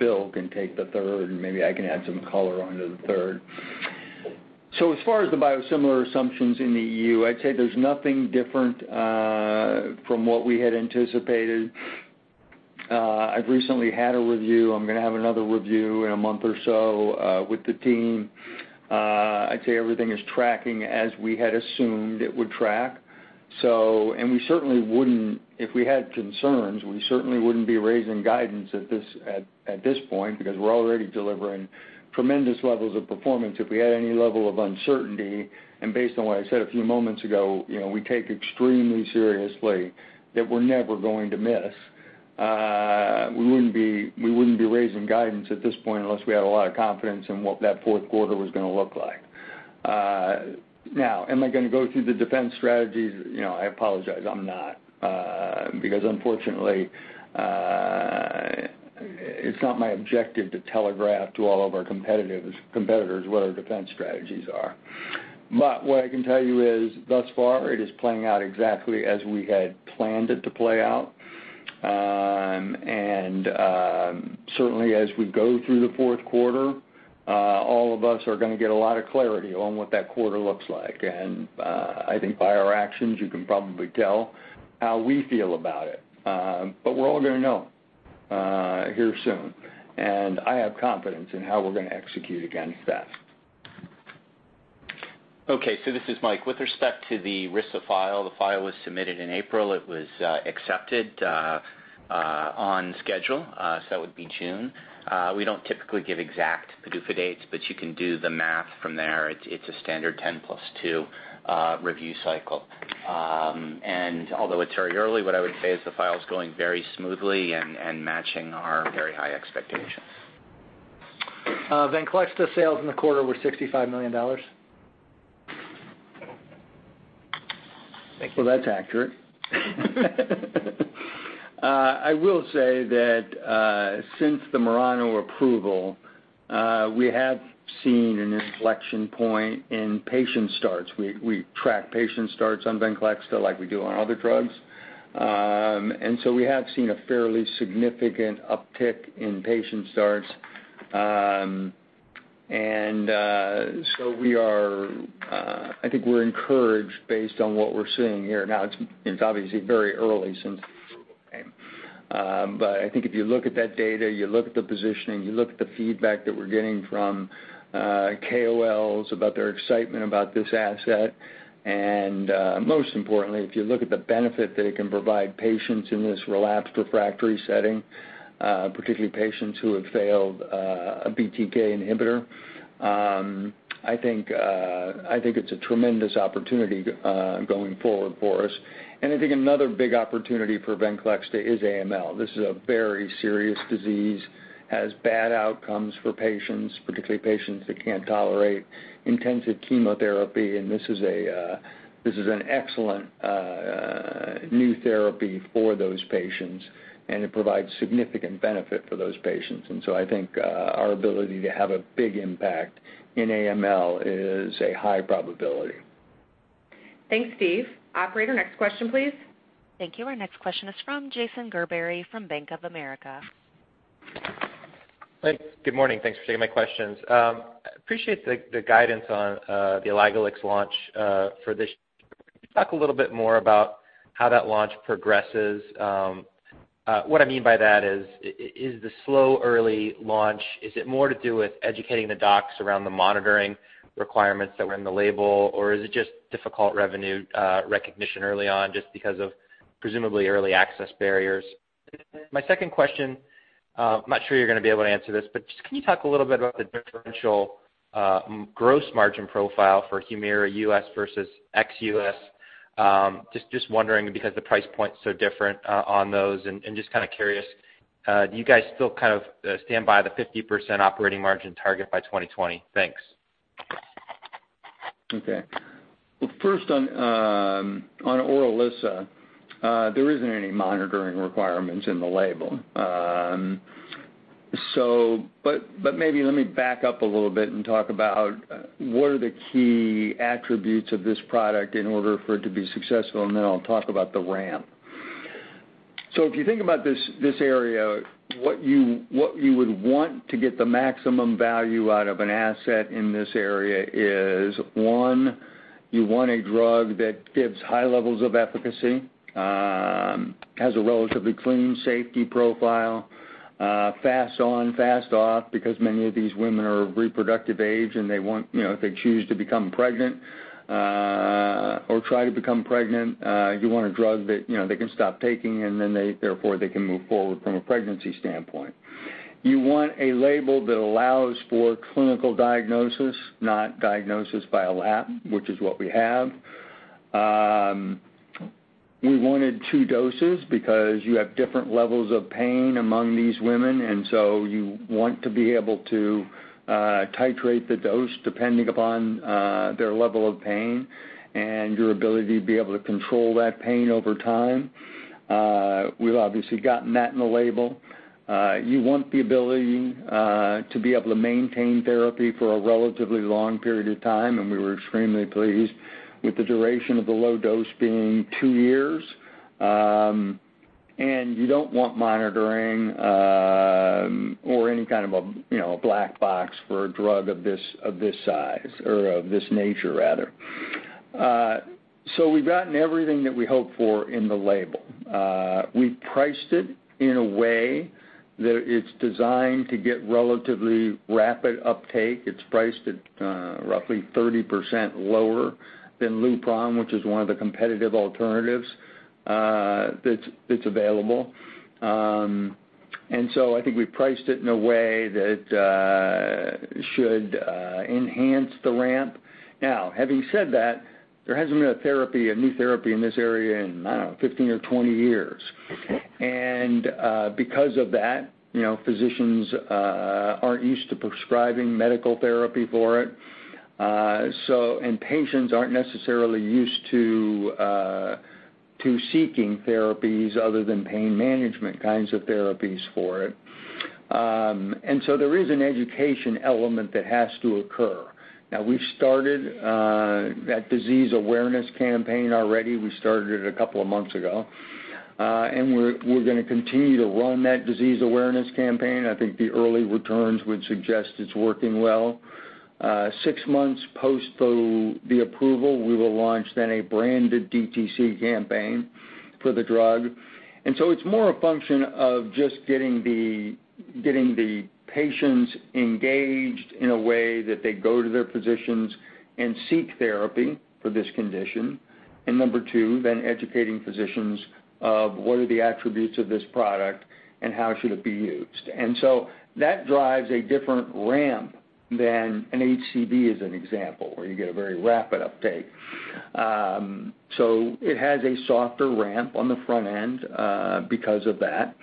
Bill can take the third, and maybe I can add some color onto the third. As far as the biosimilar assumptions in the EU, I'd say there's nothing different from what we had anticipated. I've recently had a review. I'm going to have another review in a month or so with the team. I'd say everything is tracking as we had assumed it would track. If we had concerns, we certainly wouldn't be raising guidance at this point because we're already delivering tremendous levels of performance. If we had any level of uncertainty, and based on what I said a few moments ago, we take extremely seriously that we're never going to miss. We wouldn't be raising guidance at this point unless we had a lot of confidence in what that fourth quarter was going to look like. Now, am I going to go through the defense strategies? I apologize, I'm not. Because unfortunately, it's not my objective to telegraph to all of our competitors what our defense strategies are. What I can tell you is thus far, it is playing out exactly as we had planned it to play out. Certainly as we go through the fourth quarter, all of us are going to get a lot of clarity on what that quarter looks like. I think by our actions, you can probably tell how we feel about it. We're all going to know here soon, and I have confidence in how we're going to execute against that. Okay. This is Mike. With respect to the risa file, the file was submitted in April. It was accepted on schedule, so that would be June. We don't typically give exact PDUFA dates, but you can do the math from there. It's a standard 10 plus two review cycle. Although it's very early, what I would say is the file is going very smoothly and matching our very high expectations. VENCLEXTA sales in the quarter were $65 million. Thank you. Well, that's accurate. I will say that, since the MURANO approval, we have seen an inflection point in patient starts. We track patient starts on VENCLEXTA like we do on other drugs. We have seen a fairly significant uptick in patient starts. I think we're encouraged based on what we're seeing here. Now, it's obviously very early. I think if you look at that data, you look at the positioning, you look at the feedback that we're getting from KOLs about their excitement about this asset. Most importantly, if you look at the benefit that it can provide patients in this relapsed refractory setting, particularly patients who have failed a BTK inhibitor, I think it's a tremendous opportunity going forward for us. I think another big opportunity for VENCLEXTA is AML. This is a very serious disease, has bad outcomes for patients, particularly patients that can't tolerate intensive chemotherapy, and this is an excellent new therapy for those patients, and it provides significant benefit for those patients. I think our ability to have a big impact in AML is a high probability. Thanks, Steve. Operator, next question, please. Thank you. Our next question is from Jason Gerberry from Bank of America. Thanks. Good morning. Thanks for taking my questions. Appreciate the guidance on the elagolix launch for this. Can you talk a little bit more about how that launch progresses? What I mean by that is the slow early launch, is it more to do with educating the docs around the monitoring requirements that were in the label, or is it just difficult revenue recognition early on just because of presumably early access barriers? My second question, I'm not sure you're going to be able to answer this, but just can you talk a little bit about the differential gross margin profile for Humira U.S. versus ex-U.S. Just wondering because the price points are different on those, and just kind of curious, do you guys still kind of stand by the 50% operating margin target by 2020? Thanks. Okay. Well, first on ORILISSA, there isn't any monitoring requirements in the label. Maybe let me back up a little bit and talk about what are the key attributes of this product in order for it to be successful, and then I'll talk about the ramp. If you think about this area, what you would want to get the maximum value out of an asset in this area is, one, you want a drug that gives high levels of efficacy, has a relatively clean safety profile, fast on, fast off, because many of these women are of reproductive age and if they choose to become pregnant, or try to become pregnant, you want a drug that they can stop taking and then therefore they can move forward from a pregnancy standpoint. You want a label that allows for clinical diagnosis, not diagnosis by a lab, which is what we have. We wanted two doses because you have different levels of pain among these women. You want to be able to titrate the dose depending upon their level of pain and your ability to be able to control that pain over time. We've obviously gotten that in the label. You want the ability to be able to maintain therapy for a relatively long period of time, and we were extremely pleased with the duration of the low dose being two years. You don't want monitoring, or any kind of a black box for a drug of this size or of this nature, rather. We've gotten everything that we hoped for in the label. We've priced it in a way that it's designed to get relatively rapid uptake. It's priced at roughly 30% lower than LUPRON, which is one of the competitive alternatives that's available. I think we priced it in a way that should enhance the ramp. Having said that, there hasn't been a new therapy in this area in, I don't know, 15 or 20 years. Because of that, physicians aren't used to prescribing medical therapy for it. Patients aren't necessarily used to seeking therapies other than pain management kinds of therapies for it. There is an education element that has to occur. We've started that disease awareness campaign already. We started it a couple of months ago. We're going to continue to run that disease awareness campaign. I think the early returns would suggest it's working well. Six months post the approval, we will launch then a branded DTC campaign for the drug. It's more a function of just getting the patients engaged in a way that they go to their physicians and seek therapy for this condition. Number 2, then educating physicians of what are the attributes of this product and how should it be used. That drives a different ramp than an HCV as an example, where you get a very rapid uptake. It has a softer ramp on the front end because of that.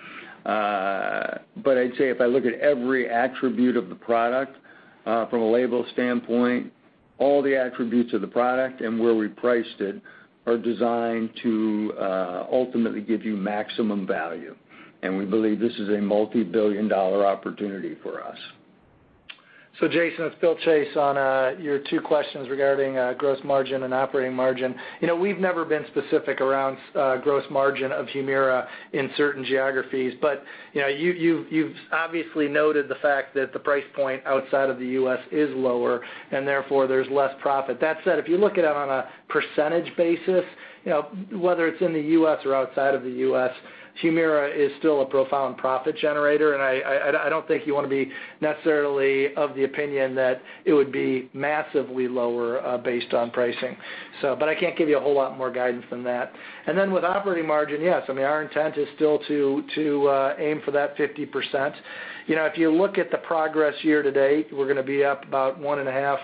I'd say if I look at every attribute of the product from a label standpoint, all the attributes of the product and where we priced it are designed to ultimately give you maximum value. We believe this is a multi-billion dollar opportunity for us. Jason, it's Bill Chase on your two questions regarding gross margin and operating margin. We've never been specific around gross margin of Humira in certain geographies, but you've obviously noted the fact that the price point outside of the U.S. is lower and therefore there's less profit. That said, if you look at it on a percentage basis, whether it's in the U.S. or outside of the U.S., Humira is still a profound profit generator, and I don't think you want to be necessarily of the opinion that it would be massively lower based on pricing. But I can't give you a whole lot more guidance than that. And then with operating margin, yes, our intent is still to aim for that 50%. If you look at the progress year to date, we're going to be up about one and a half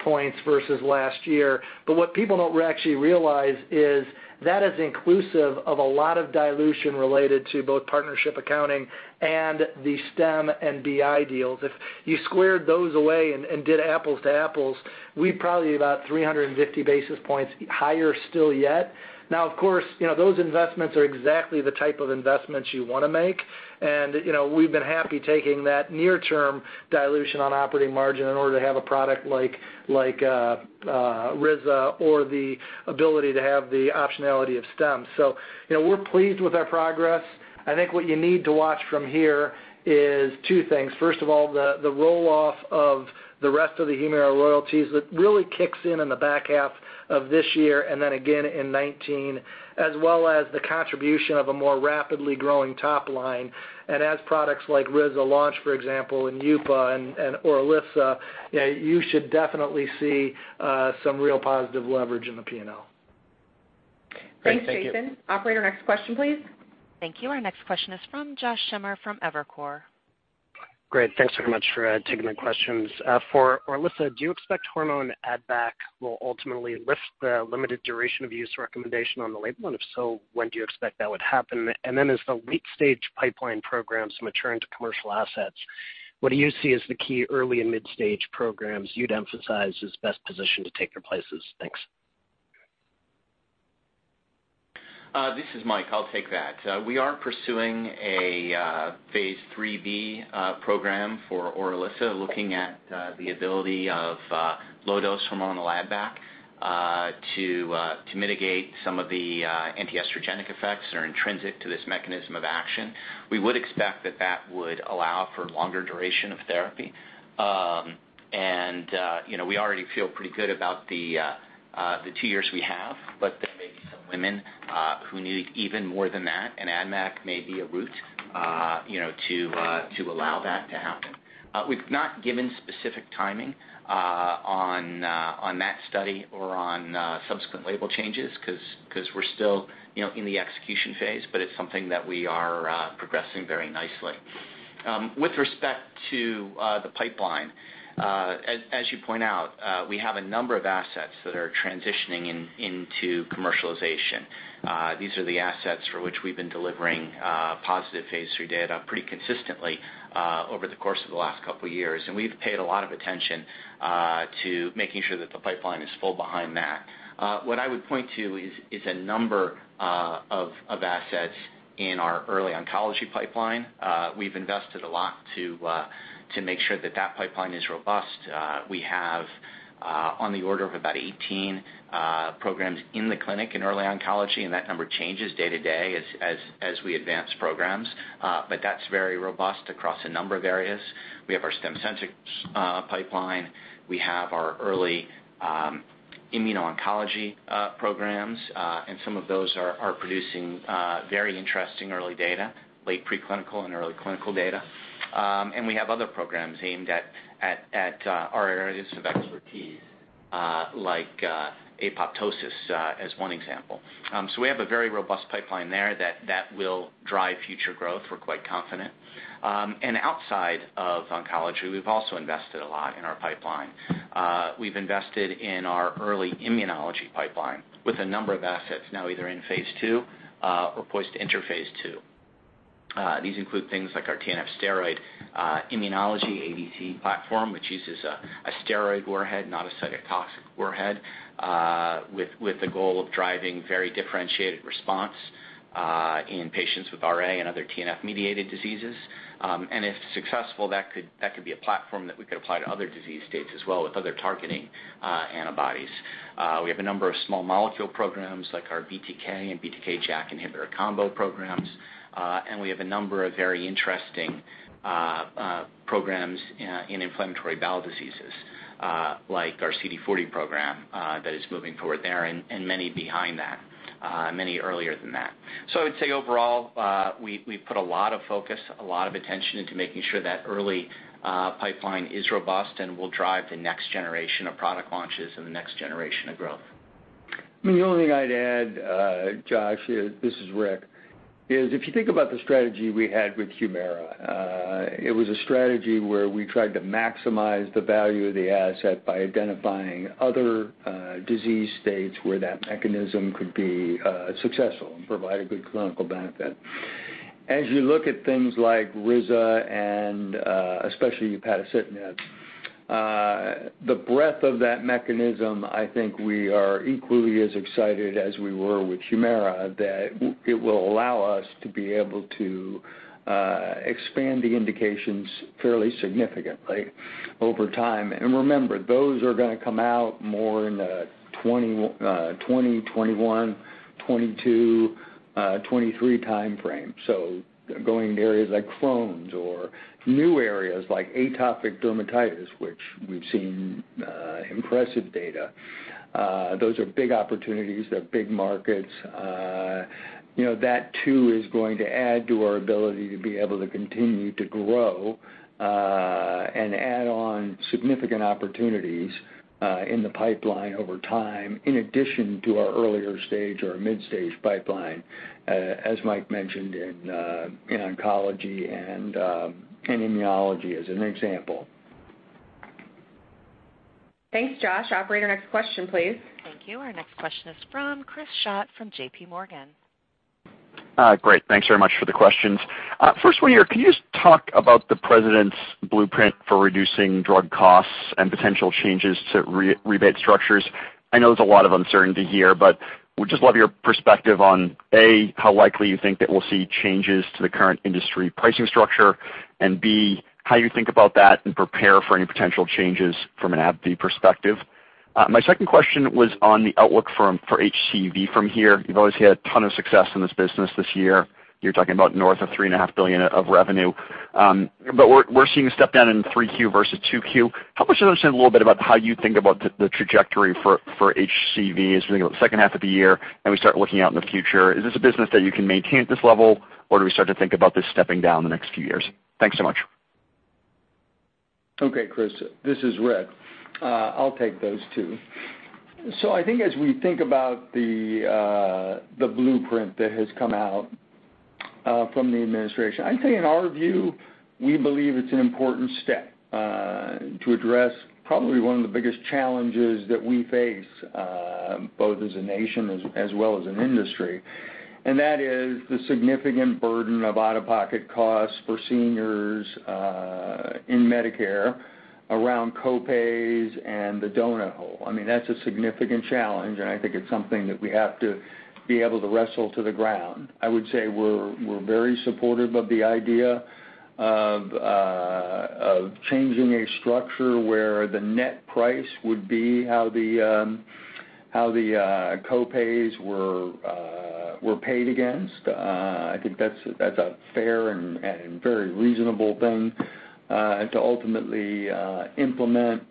points versus last year. What people don't actually realize is that is inclusive of a lot of dilution related to both partnership accounting and the Stem and BI deals. If you squared those away and did apples to apples, we'd probably be about 350 basis points higher still yet. Of course, those investments are exactly the type of investments you want to make, and we've been happy taking that near term dilution on operating margin in order to have a product like risankizumab or the ability to have the optionality of Stem. We're pleased with our progress. I think what you need to watch from here is two things. First of all, the roll-off of the rest of the Humira royalties that really kicks in in the back half of this year and then again in 2019, as well as the contribution of a more rapidly growing top line. As products like SKYRIZI launch, for example, and RINVOQ and ORILISSA, you should definitely see some real positive leverage in the P&L. Thanks, Jason. Operator, next question, please. Thank you. Our next question is from Josh Schimmer from Evercore. Great. Thanks very much for taking my questions. For ORILISSA, do you expect hormonal add-back will ultimately lift the limited duration of use recommendation on the label? If so, when do you expect that would happen? Then as the late-stage pipeline programs mature into commercial assets, what do you see as the key early- and mid-stage programs you'd emphasize as best positioned to take their places? Thanks. This is Mike. I'll take that. We are pursuing a phase III-B program for ORILISSA, looking at the ability of low-dose hormonal add-back to mitigate some of the antiestrogenic effects that are intrinsic to this mechanism of action. We would expect that that would allow for longer duration of therapy. We already feel pretty good about the 2 years we have, but there may be some women who need even more than that, and add-back may be a route to allow that to happen. We've not given specific timing on that study or on subsequent label changes because we're still in the execution phase, but it's something that we are progressing very nicely. With respect to the pipeline, as you point out, we have a number of assets that are transitioning into commercialization. These are the assets for which we've been delivering positive phase III data pretty consistently over the course of the last couple of years. We've paid a lot of attention to making sure that the pipeline is full behind that. What I would point to is a number of assets in our early oncology pipeline. We've invested a lot to make sure that that pipeline is robust. We have on the order of about 18 programs in the clinic in early oncology, That number changes day to day as we advance programs. That's very robust across a number of areas. We have our Stemcentrx pipeline. We have our early immuno-oncology programs, and some of those are producing very interesting early data, late pre-clinical and early clinical data. We have other programs aimed at our areas of expertise, like apoptosis as one example. We have a very robust pipeline there that will drive future growth. We're quite confident. Outside of oncology, we've also invested a lot in our pipeline. We've invested in our early immunology pipeline with a number of assets now either in phase II or poised to enter phase II. These include things like our TNF steroid immunology ADC platform, which uses a steroid warhead, not a cytotoxic warhead, with the goal of driving very differentiated response in patients with RA and other TNF-mediated diseases. If successful, that could be a platform that we could apply to other disease states as well with other targeting antibodies. We have a number of small molecule programs like our BTK and BTK JAK inhibitor combo programs. We have a number of very interesting programs in inflammatory bowel diseases, like our CD40 program that is moving forward there and many behind that, many earlier than that. I would say overall, we've put a lot of focus, a lot of attention into making sure that early pipeline is robust and will drive the next generation of product launches and the next generation of growth. The only thing I'd add, Josh, this is Rick, is if you think about the strategy we had with Humira, it was a strategy where we tried to maximize the value of the asset by identifying other disease states where that mechanism could be successful and provide a good clinical benefit. As you look at things like riza and especially upadacitinib, the breadth of that mechanism, I think we are equally as excited as we were with Humira that it will allow us to be able to expand the indications fairly significantly over time. Remember, those are going to come out more in the 2020, 2021, 2022, 2023 timeframe. Going to areas like Crohn's or new areas like atopic dermatitis, which we've seen impressive data. Those are big opportunities. They're big markets. That too is going to add to our ability to be able to continue to grow and add on significant opportunities in the pipeline over time, in addition to our earlier stage or mid-stage pipeline, as Mike mentioned in oncology and in immunology as an example. Thanks, Josh. Operator, next question, please. Thank you. Our next question is from Chris Schott from J.P. Morgan. Great. Thanks very much for the questions. First one here, can you talk about the President's Blueprint for reducing drug costs and potential changes to rebate structures? I know there's a lot of uncertainty here, would just love your perspective on, A, how likely you think that we'll see changes to the current industry pricing structure, and B, how you think about that and prepare for any potential changes from an AbbVie perspective. My second question was on the outlook for HCV from here. You've obviously had a ton of success in this business this year. You're talking about north of $3.5 billion of revenue. We're seeing a step down in Q3 versus Q2. Help us understand a little bit about how you think about the trajectory for HCV as we think about the second half of the year, and we start looking out in the future. Is this a business that you can maintain at this level, or do we start to think about this stepping down in the next few years? Thanks so much. Okay, Chris, this is Rick. I'll take those two. I think as we think about the Blueprint that has come out from the administration, I'd say in our view, we believe it's an important step, to address probably one of the biggest challenges that we face, both as a nation as well as an industry. That is the significant burden of out-of-pocket costs for seniors, in Medicare around co-pays and the donut hole. That's a significant challenge, and I think it's something that we have to be able to wrestle to the ground. I would say we're very supportive of the idea of changing a structure where the net price would be how the co-pays were paid against. I think that's a fair and very reasonable thing to ultimately implement.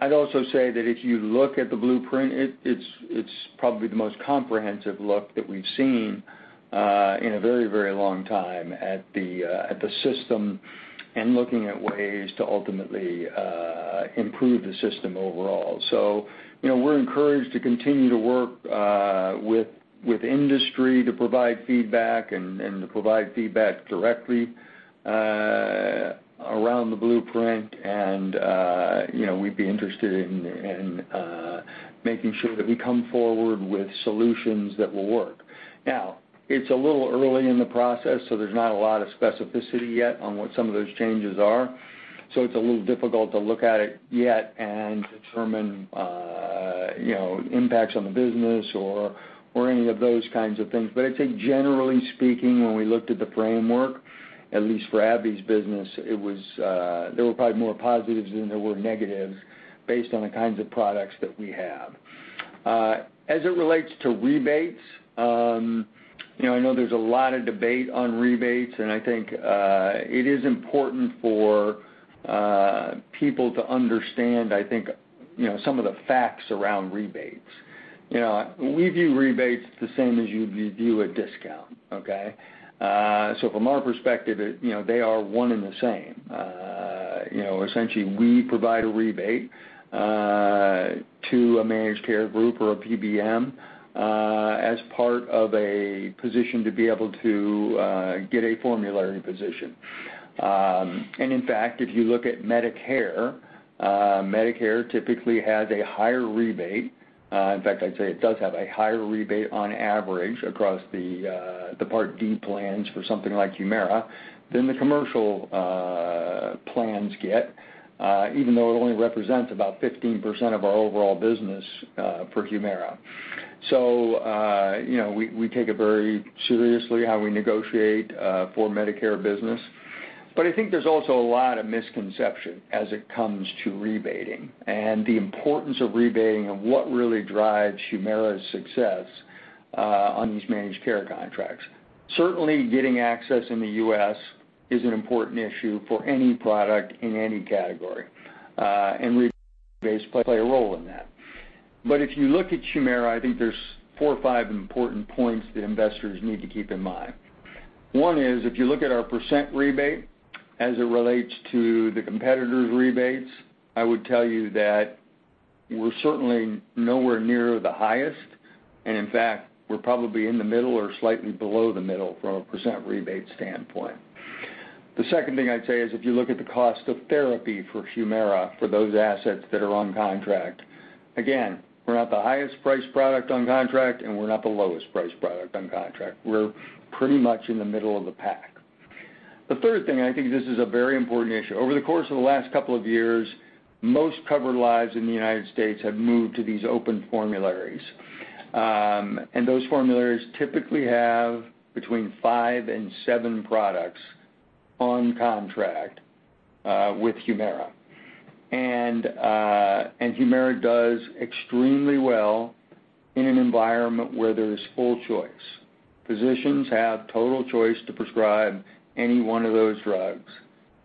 I'd also say that if you look at the Blueprint, it's probably the most comprehensive look that we've seen in a very long time at the system and looking at ways to ultimately improve the system overall. We're encouraged to continue to work with industry to provide feedback and to provide feedback directly around the Blueprint. We'd be interested in making sure that we come forward with solutions that will work. Now, it's a little early in the process, so there's not a lot of specificity yet on what some of those changes are. It's a little difficult to look at it yet and determine impacts on the business or any of those kinds of things. I'd say generally speaking, when we looked at the framework, at least for AbbVie's business, there were probably more positives than there were negatives based on the kinds of products that we have. As it relates to rebates, I know there's a lot of debate on rebates, and I think it is important for people to understand some of the facts around rebates. We view rebates the same as you'd view a discount. Okay? From our perspective, they are one and the same. Essentially, we provide a rebate to a managed care group or a PBM, as part of a position to be able to get a formulary position. In fact, if you look at Medicare typically has a higher rebate. In fact, I'd say it does have a higher rebate on average across the Part D plans for something like Humira than the commercial plans get, even though it only represents about 15% of our overall business for Humira. We take it very seriously how we negotiate for Medicare business. I think there's also a lot of misconception as it comes to rebating and the importance of rebating and what really drives Humira's success on these managed care contracts. Certainly, getting access in the U.S. is an important issue for any product in any category, and rebates play a role in that. If you look at Humira, I think there's four or five important points that investors need to keep in mind. One is, if you look at our % rebate as it relates to the competitor's rebates, I would tell you that we're certainly nowhere near the highest, and in fact, we're probably in the middle or slightly below the middle from a % rebate standpoint. The second thing I'd say is if you look at the cost of therapy for Humira, for those assets that are on contract, again, we're not the highest priced product on contract, and we're not the lowest priced product on contract. We're pretty much in the middle of the pack. The third thing, I think this is a very important issue. Over the course of the last couple of years, most covered lives in the United States have moved to these open formularies. Those formularies typically have between five and seven products on contract with Humira. Humira does extremely well in an environment where there's full choice. Physicians have total choice to prescribe any one of those drugs,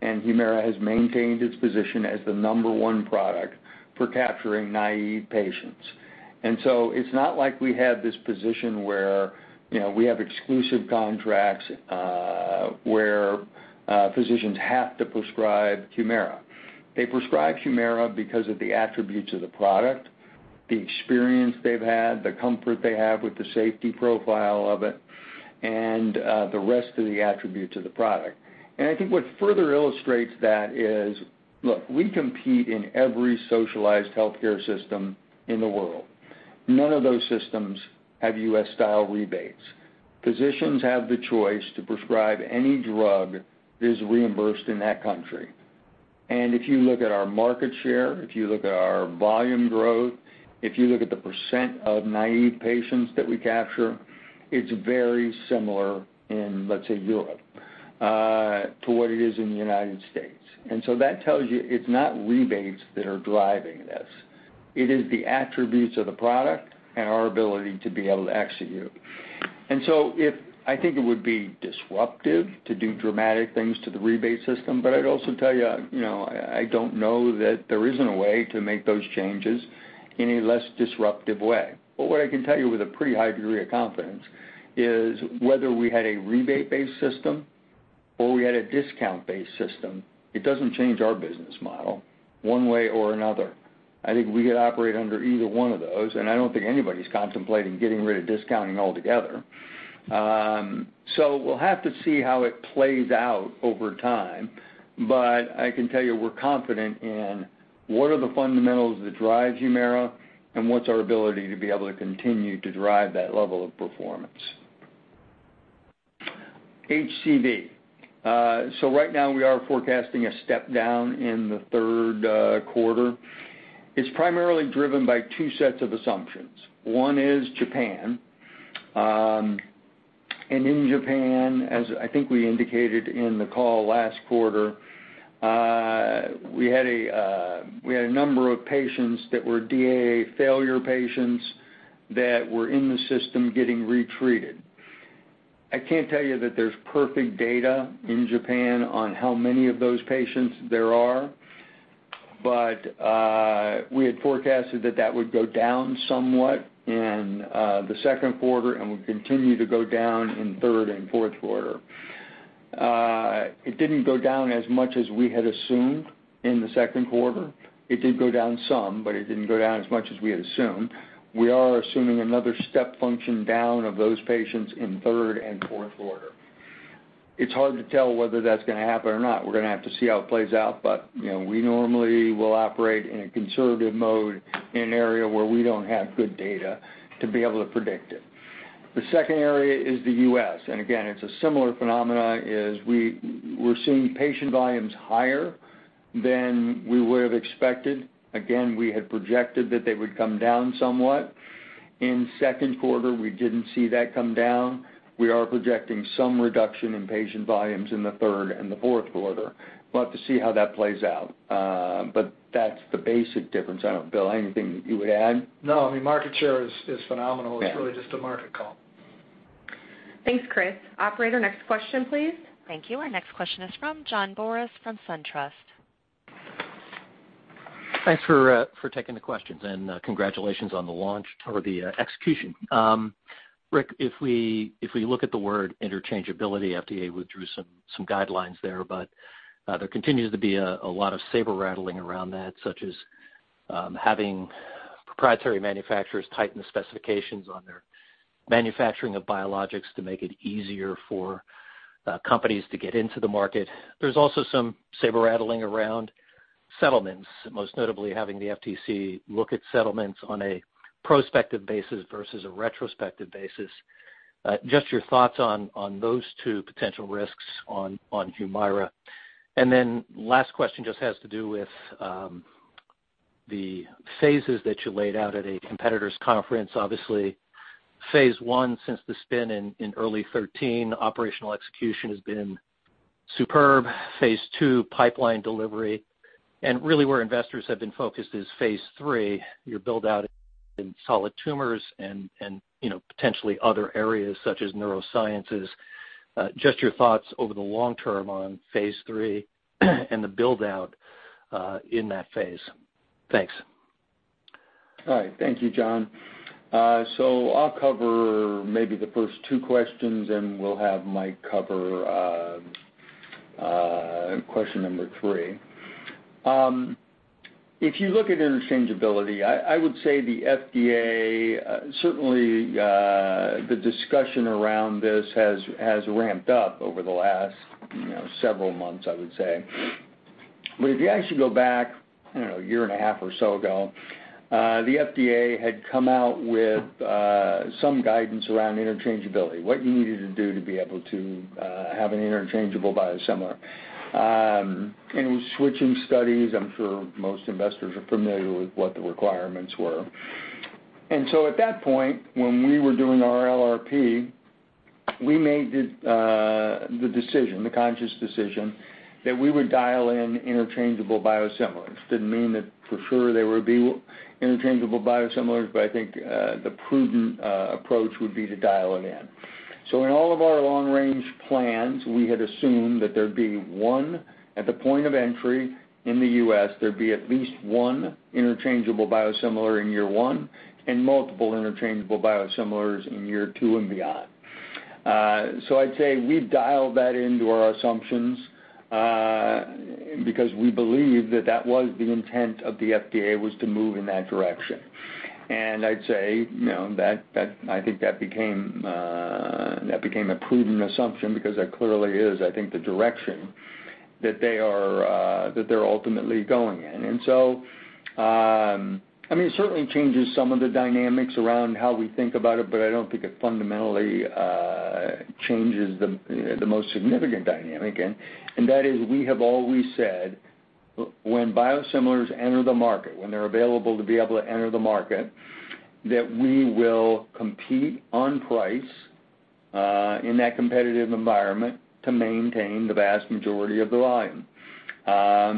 and Humira has maintained its position as the number one product for capturing naive patients. It's not like we have this position where we have exclusive contracts, where physicians have to prescribe Humira. They prescribe Humira because of the attributes of the product, the experience they've had, the comfort they have with the safety profile of it, and the rest of the attributes of the product. I think what further illustrates that is, look, we compete in every socialized healthcare system in the world. None of those systems have U.S.-style rebates. Physicians have the choice to prescribe any drug that is reimbursed in that country. If you look at our market share, if you look at our volume growth, if you look at the percent of naive patients that we capture, it's very similar in, let's say, Europe, to what it is in the United States. That tells you it's not rebates that are driving this. It is the attributes of the product and our ability to be able to execute. I think it would be disruptive to do dramatic things to the rebate system, but I'd also tell you, I don't know that there isn't a way to make those changes in a less disruptive way. What I can tell you with a pretty high degree of confidence is whether we had a rebate-based system or we had a discount-based system, it doesn't change our business model one way or another. I think we could operate under either one of those, and I don't think anybody's contemplating getting rid of discounting altogether. We'll have to see how it plays out over time, but I can tell you we're confident in what are the fundamentals that drive Humira and what's our ability to be able to continue to drive that level of performance. HCV. Right now, we are forecasting a step down in the third quarter. It's primarily driven by two sets of assumptions. One is Japan. In Japan, as I think we indicated in the call last quarter, we had a number of patients that were DAA failure patients that were in the system getting retreated. I can't tell you that there's perfect data in Japan on how many of those patients there are, but we had forecasted that that would go down somewhat in the second quarter and will continue to go down in third and fourth quarter. It didn't go down as much as we had assumed in the second quarter. It did go down some, but it didn't go down as much as we had assumed. We are assuming another step function down of those patients in third and fourth quarter. It's hard to tell whether that's going to happen or not. We're going to have to see how it plays out, but we normally will operate in a conservative mode in an area where we don't have good data to be able to predict it. The second area is the U.S., and again, it's a similar phenomenon, is we're seeing patient volumes higher than we would have expected. Again, we had projected that they would come down somewhat. In second quarter, we didn't see that come down. We are projecting some reduction in patient volumes in the third and the fourth quarter. We'll have to see how that plays out. That's the basic difference. I don't know, Bill, anything that you would add? No, I mean, market share is phenomenal. Yeah. It's really just a market call. Thanks, Chris. Operator, next question, please. Thank you. Our next question is from John Boris from SunTrust. Thanks for taking the questions, and congratulations on the launch or the execution. Rick, if we look at the word interchangeability, FDA withdrew some guidelines there, but there continues to be a lot of saber rattling around that, such as having proprietary manufacturers tighten the specifications on their manufacturing of biologics to make it easier for companies to get into the market. There's also some saber rattling around settlements, most notably having the FTC look at settlements on a prospective basis versus a retrospective basis. Just your thoughts on those two potential risks on Humira. Then last question just has to do with the phases that you laid out at a competitor's conference. Obviously, phase I since the spin in early 2013, operational execution has been superb. Phase II, pipeline delivery. Really where investors have been focused is phase III, your build-out in solid tumors and potentially other areas such as neurosciences. Just your thoughts over the long term on phase III and the build-out in that phase. Thanks. All right. Thank you, John. I'll cover maybe the first two questions, and we'll have Mike cover question number three. If you look at interchangeability, I would say the FDA, certainly the discussion around this has ramped up over the last several months, I would say. If you actually go back a year and a half or so ago, the FDA had come out with some guidance around interchangeability, what you needed to do to be able to have an interchangeable biosimilar. It was switching studies. I'm sure most investors are familiar with what the requirements were. At that point, when we were doing our LRP, we made the conscious decision that we would dial in interchangeable biosimilars. Didn't mean that for sure there would be interchangeable biosimilars, but I think the prudent approach would be to dial it in. In all of our long-range plans, we had assumed that there'd be one at the point of entry in the U.S., there'd be at least one interchangeable biosimilar in year one, and multiple interchangeable biosimilars in year two and beyond. I'd say we've dialed that into our assumptions, because we believe that that was the intent of the FDA was to move in that direction. I'd say, I think that became a prudent assumption because that clearly is, I think, the direction that they're ultimately going in. It certainly changes some of the dynamics around how we think about it, but I don't think it fundamentally changes the most significant dynamic in. That is, we have always said, when biosimilars enter the market, when they're available to be able to enter the market, that we will compete on price, in that competitive environment to maintain the vast majority of the volume. That's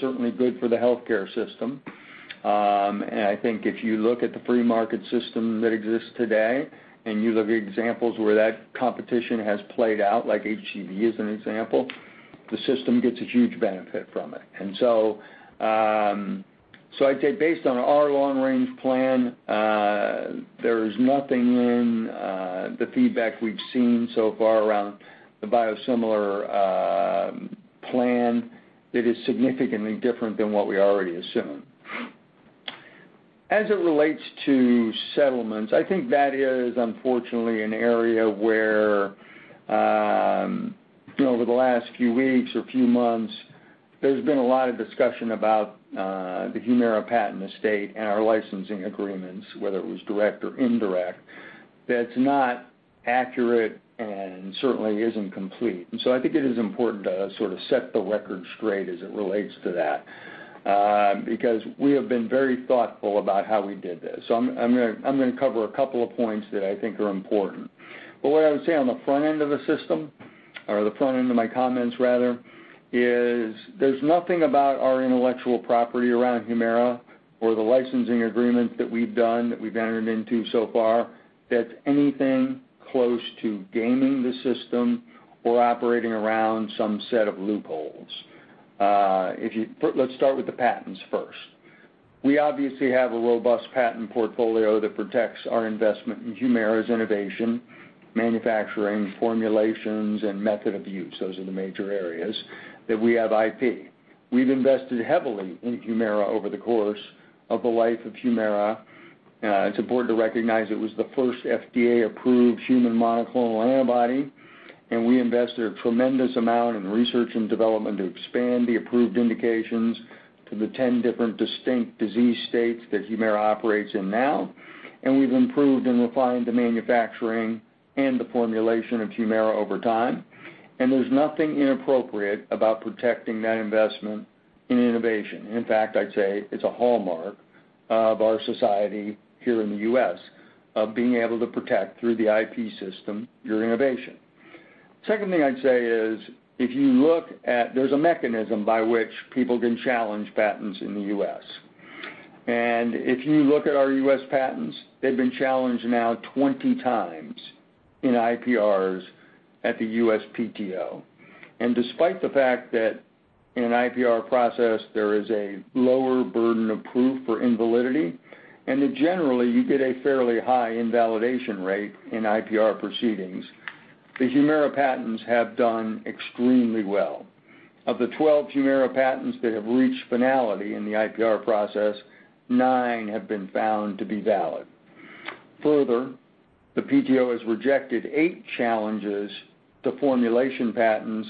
certainly good for the healthcare system. I think if you look at the free market system that exists today, and you look at examples where that competition has played out, like HCV as an example, the system gets a huge benefit from it. I'd say based on our long-range plan, there's nothing in the feedback we've seen so far around the biosimilar plan that is significantly different than what we already assumed. As it relates to settlements, I think that is unfortunately an area where, over the last few weeks or few months, there's been a lot of discussion about the Humira patent estate and our licensing agreements, whether it was direct or indirect, that's not accurate and certainly isn't complete. I think it is important to sort of set the record straight as it relates to that, because we have been very thoughtful about how we did this. I'm going to cover a couple of points that I think are important. What I would say on the front end of the system, or the front end of my comments rather, is there's nothing about our intellectual property around Humira or the licensing agreements that we've done, that we've entered into so far, that's anything close to gaming the system or operating around some set of loopholes. Let's start with the patents first. We obviously have a robust patent portfolio that protects our investment in Humira's innovation, manufacturing, formulations, and method of use. Those are the major areas that we have IP. We've invested heavily in Humira over the course of the life of Humira. It's important to recognize it was the first FDA-approved human monoclonal antibody, and we invested a tremendous amount in research and development to expand the approved indications to the 10 different distinct disease states that Humira operates in now. We've improved and refined the manufacturing and the formulation of Humira over time, and there's nothing inappropriate about protecting that investment in innovation. In fact, I'd say it's a hallmark of our society here in the U.S. of being able to protect, through the IP system, your innovation. Second thing I'd say is, there's a mechanism by which people can challenge patents in the U.S. If you look at our U.S. patents, they've been challenged now 20 times in IPRs at the USPTO. Despite the fact that in an IPR process there is a lower burden of proof for invalidity, and that generally you get a fairly high invalidation rate in IPR proceedings, the Humira patents have done extremely well. Of the 12 Humira patents that have reached finality in the IPR process, nine have been found to be valid. Further, the PTO has rejected eight challenges to formulation patents,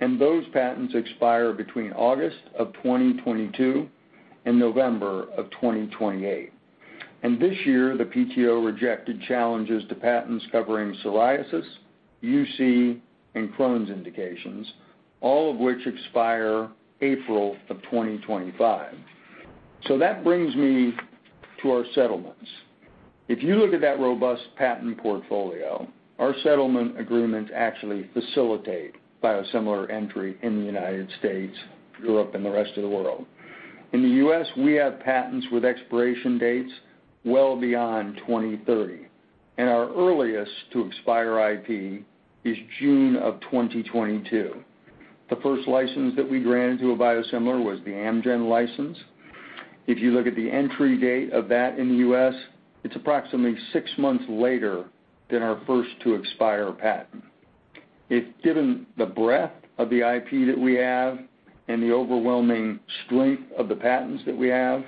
and those patents expire between August of 2022 and November of 2028. This year, the PTO rejected challenges to patents covering psoriasis, UC, and Crohn's indications, all of which expire April of 2025. That brings me to our settlements. If you look at that robust patent portfolio, our settlement agreements actually facilitate biosimilar entry in the U.S., Europe, and the rest of the world. In the U.S., we have patents with expiration dates well beyond 2030, and our earliest to expire IP is June of 2022. The first license that we granted to a biosimilar was the Amgen license. If you look at the entry date of that in the U.S., it is approximately six months later than our first to expire patent. Given the breadth of the IP that we have and the overwhelming strength of the patents that we have,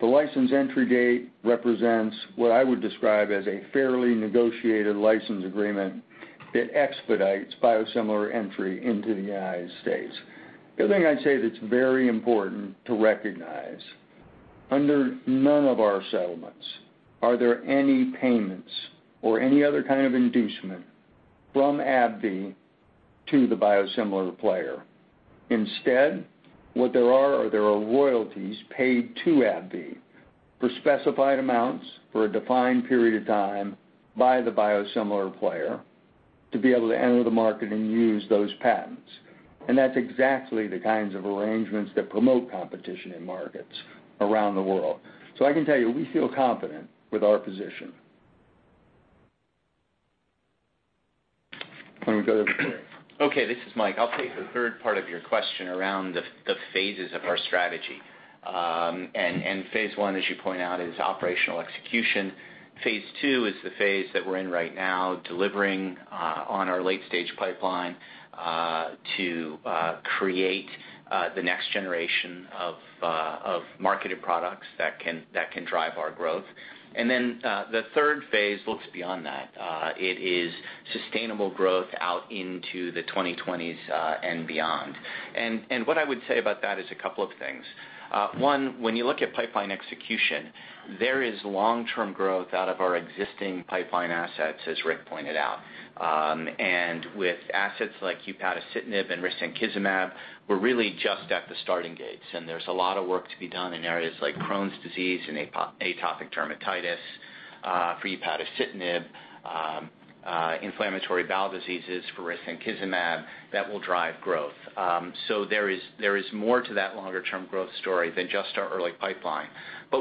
the license entry date represents what I would describe as a fairly negotiated license agreement that expedites biosimilar entry into the U.S. The other thing I'd say that's very important to recognize, under none of our settlements are there any payments or any other kind of inducement from AbbVie to the biosimilar player. Instead, what there are royalties paid to AbbVie for specified amounts for a defined period of time by the biosimilar player to be able to enter the market and use those patents. That's exactly the kinds of arrangements that promote competition in markets around the world. I can tell you, we feel confident with our position. Why don't we go to Mike? Okay, this is Mike. I'll take the third part of your question around the phases of our strategy. Phase one, as you point out, is operational execution. Phase two is the phase that we're in right now, delivering on our late-stage pipeline, to create the next generation of marketed products that can drive our growth. The third phase looks beyond that. It is sustainable growth out into the 2020s and beyond. What I would say about that is a couple of things. One, when you look at pipeline execution, there is long-term growth out of our existing pipeline assets, as Rick pointed out. With assets like upadacitinib and risankizumab, we're really just at the starting gates, and there's a lot of work to be done in areas like Crohn's disease and atopic dermatitis for upadacitinib. Inflammatory bowel diseases for risankizumab that will drive growth. There is more to that longer-term growth story than just our early pipeline.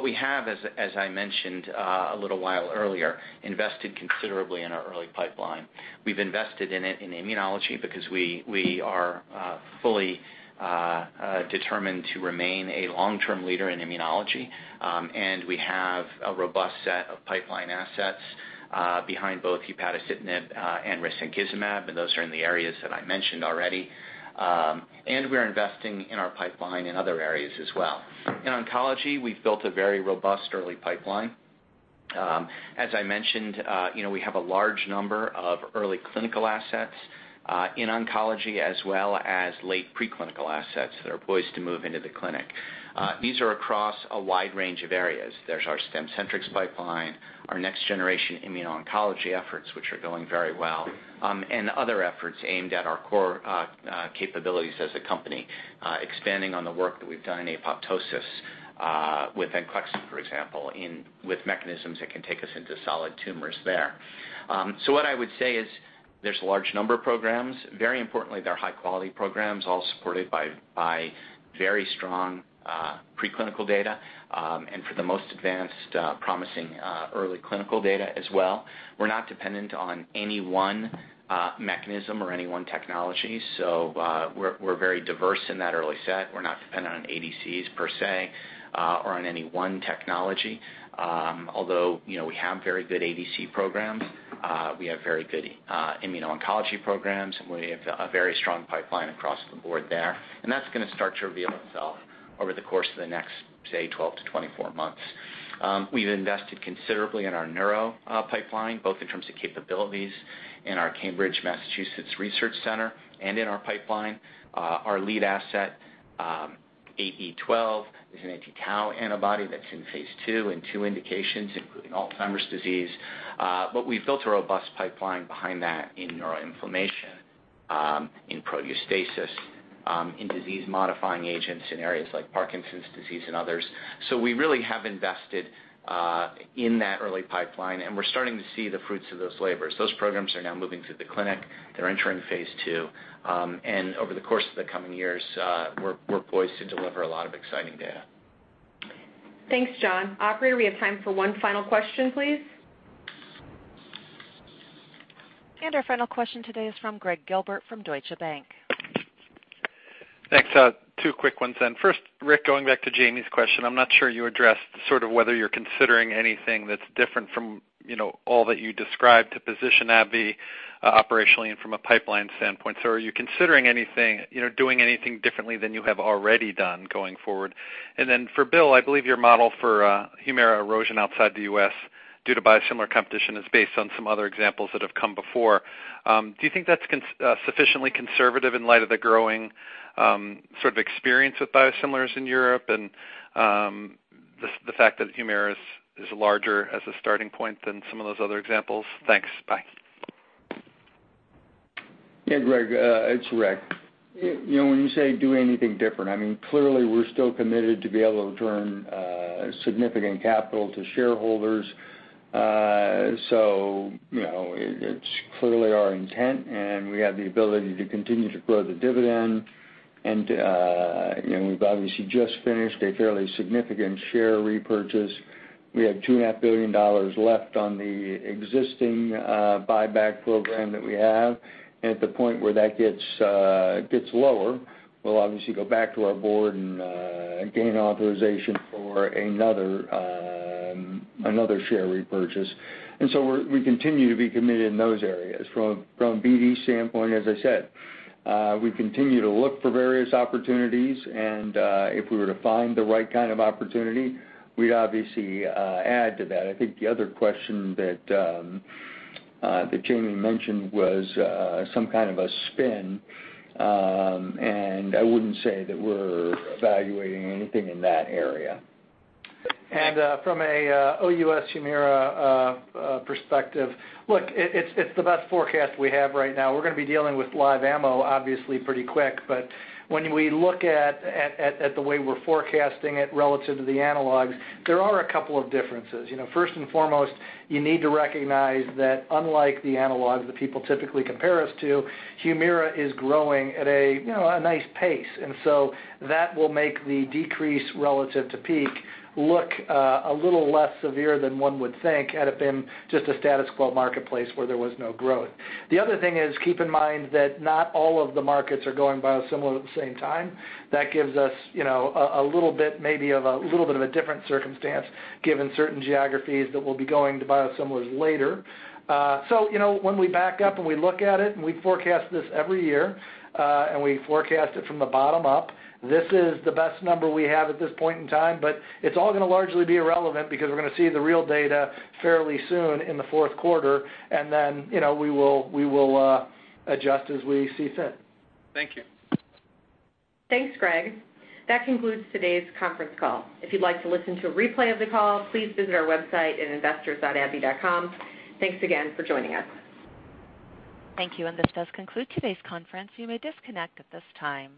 We have, as I mentioned a little while earlier, invested considerably in our early pipeline. We've invested in it in immunology because we are fully determined to remain a long-term leader in immunology. We have a robust set of pipeline assets behind both upadacitinib and risankizumab, and those are in the areas that I mentioned already. We're investing in our pipeline in other areas as well. In oncology, we've built a very robust early pipeline. As I mentioned, we have a large number of early clinical assets in oncology as well as late preclinical assets that are poised to move into the clinic. These are across a wide range of areas. There's our Stemcentrx pipeline, our next generation immuno-oncology efforts, which are going very well, and other efforts aimed at our core capabilities as a company, expanding on the work that we've done in apoptosis with VENCLEXTA, for example, with mechanisms that can take us into solid tumors there. What I would say is there's a large number of programs. Very importantly, they're high-quality programs, all supported by very strong preclinical data, and for the most advanced, promising early clinical data as well. We're not dependent on any one mechanism or any one technology. We're very diverse in that early set. We're not dependent on ADCs per se or on any one technology. We have very good ADC programs, we have very good immuno-oncology programs, and we have a very strong pipeline across the board there. That's going to start to reveal itself over the course of the next, say, 12 to 24 months. We've invested considerably in our neuro pipeline, both in terms of capabilities in our Cambridge, Massachusetts Research Center and in our pipeline. Our lead asset, ABBV-8E12, is an anti-tau antibody that's in phase II in two indications, including Alzheimer's disease. We've built a robust pipeline behind that in neural inflammation, in proteostasis, in disease-modifying agents in areas like Parkinson's disease and others. We really have invested in that early pipeline, and we're starting to see the fruits of those labors. Those programs are now moving to the clinic. They're entering phase II. Over the course of the coming years, we're poised to deliver a lot of exciting data. Thanks, John. Operator, we have time for one final question, please. Our final question today is from Gregg Gilbert from Deutsche Bank. Thanks. Two quick ones. First, Rick, going back to Jami’s question, I am not sure you addressed whether you are considering anything that is different from all that you described to position AbbVie operationally and from a pipeline standpoint. Are you considering doing anything differently than you have already done going forward? For Bill, I believe your model for Humira erosion outside the U.S. due to biosimilar competition is based on some other examples that have come before. Do you think that is sufficiently conservative in light of the growing experience with biosimilars in Europe and the fact that Humira is larger as a starting point than some of those other examples? Thanks. Bye. Yeah, Gregg. It is Rick. When you say do anything different, clearly we are still committed to be able to return significant capital to shareholders. It is clearly our intent, and we have the ability to continue to grow the dividend, and we have obviously just finished a fairly significant share repurchase. We have $2.5 billion left on the existing buyback program that we have. At the point where that gets lower, we will obviously go back to our board and gain authorization for another share repurchase. We continue to be committed in those areas. From a BD standpoint, as I said, we continue to look for various opportunities, and if we were to find the right kind of opportunity, we would obviously add to that. I think the other question that Jami mentioned was some kind of a spin, and I would not say that we are evaluating anything in that area. From an OUS Humira perspective, look, it is the best forecast we have right now. We are going to be dealing with live ammo, obviously, pretty quick. When we look at the way we are forecasting it relative to the analogs, there are a couple of differences. First and foremost, you need to recognize that unlike the analogs that people typically compare us to, Humira is growing at a nice pace. That will make the decrease relative to peak look a little less severe than one would think had it been just a status quo marketplace where there was no growth. The other thing is, keep in mind that not all of the markets are going biosimilar at the same time. That gives us maybe a little bit of a different circumstance given certain geographies that will be going to biosimilars later. When we back up and we look at it, and we forecast this every year, and we forecast it from the bottom up, this is the best number we have at this point in time, but it is all going to largely be irrelevant because we are going to see the real data fairly soon in the fourth quarter, and we will adjust as we see fit. Thank you. Thanks, Gregg. That concludes today's conference call. If you'd like to listen to a replay of the call, please visit our website at investor.abbvie.com. Thanks again for joining us. Thank you. This does conclude today's conference. You may disconnect at this time.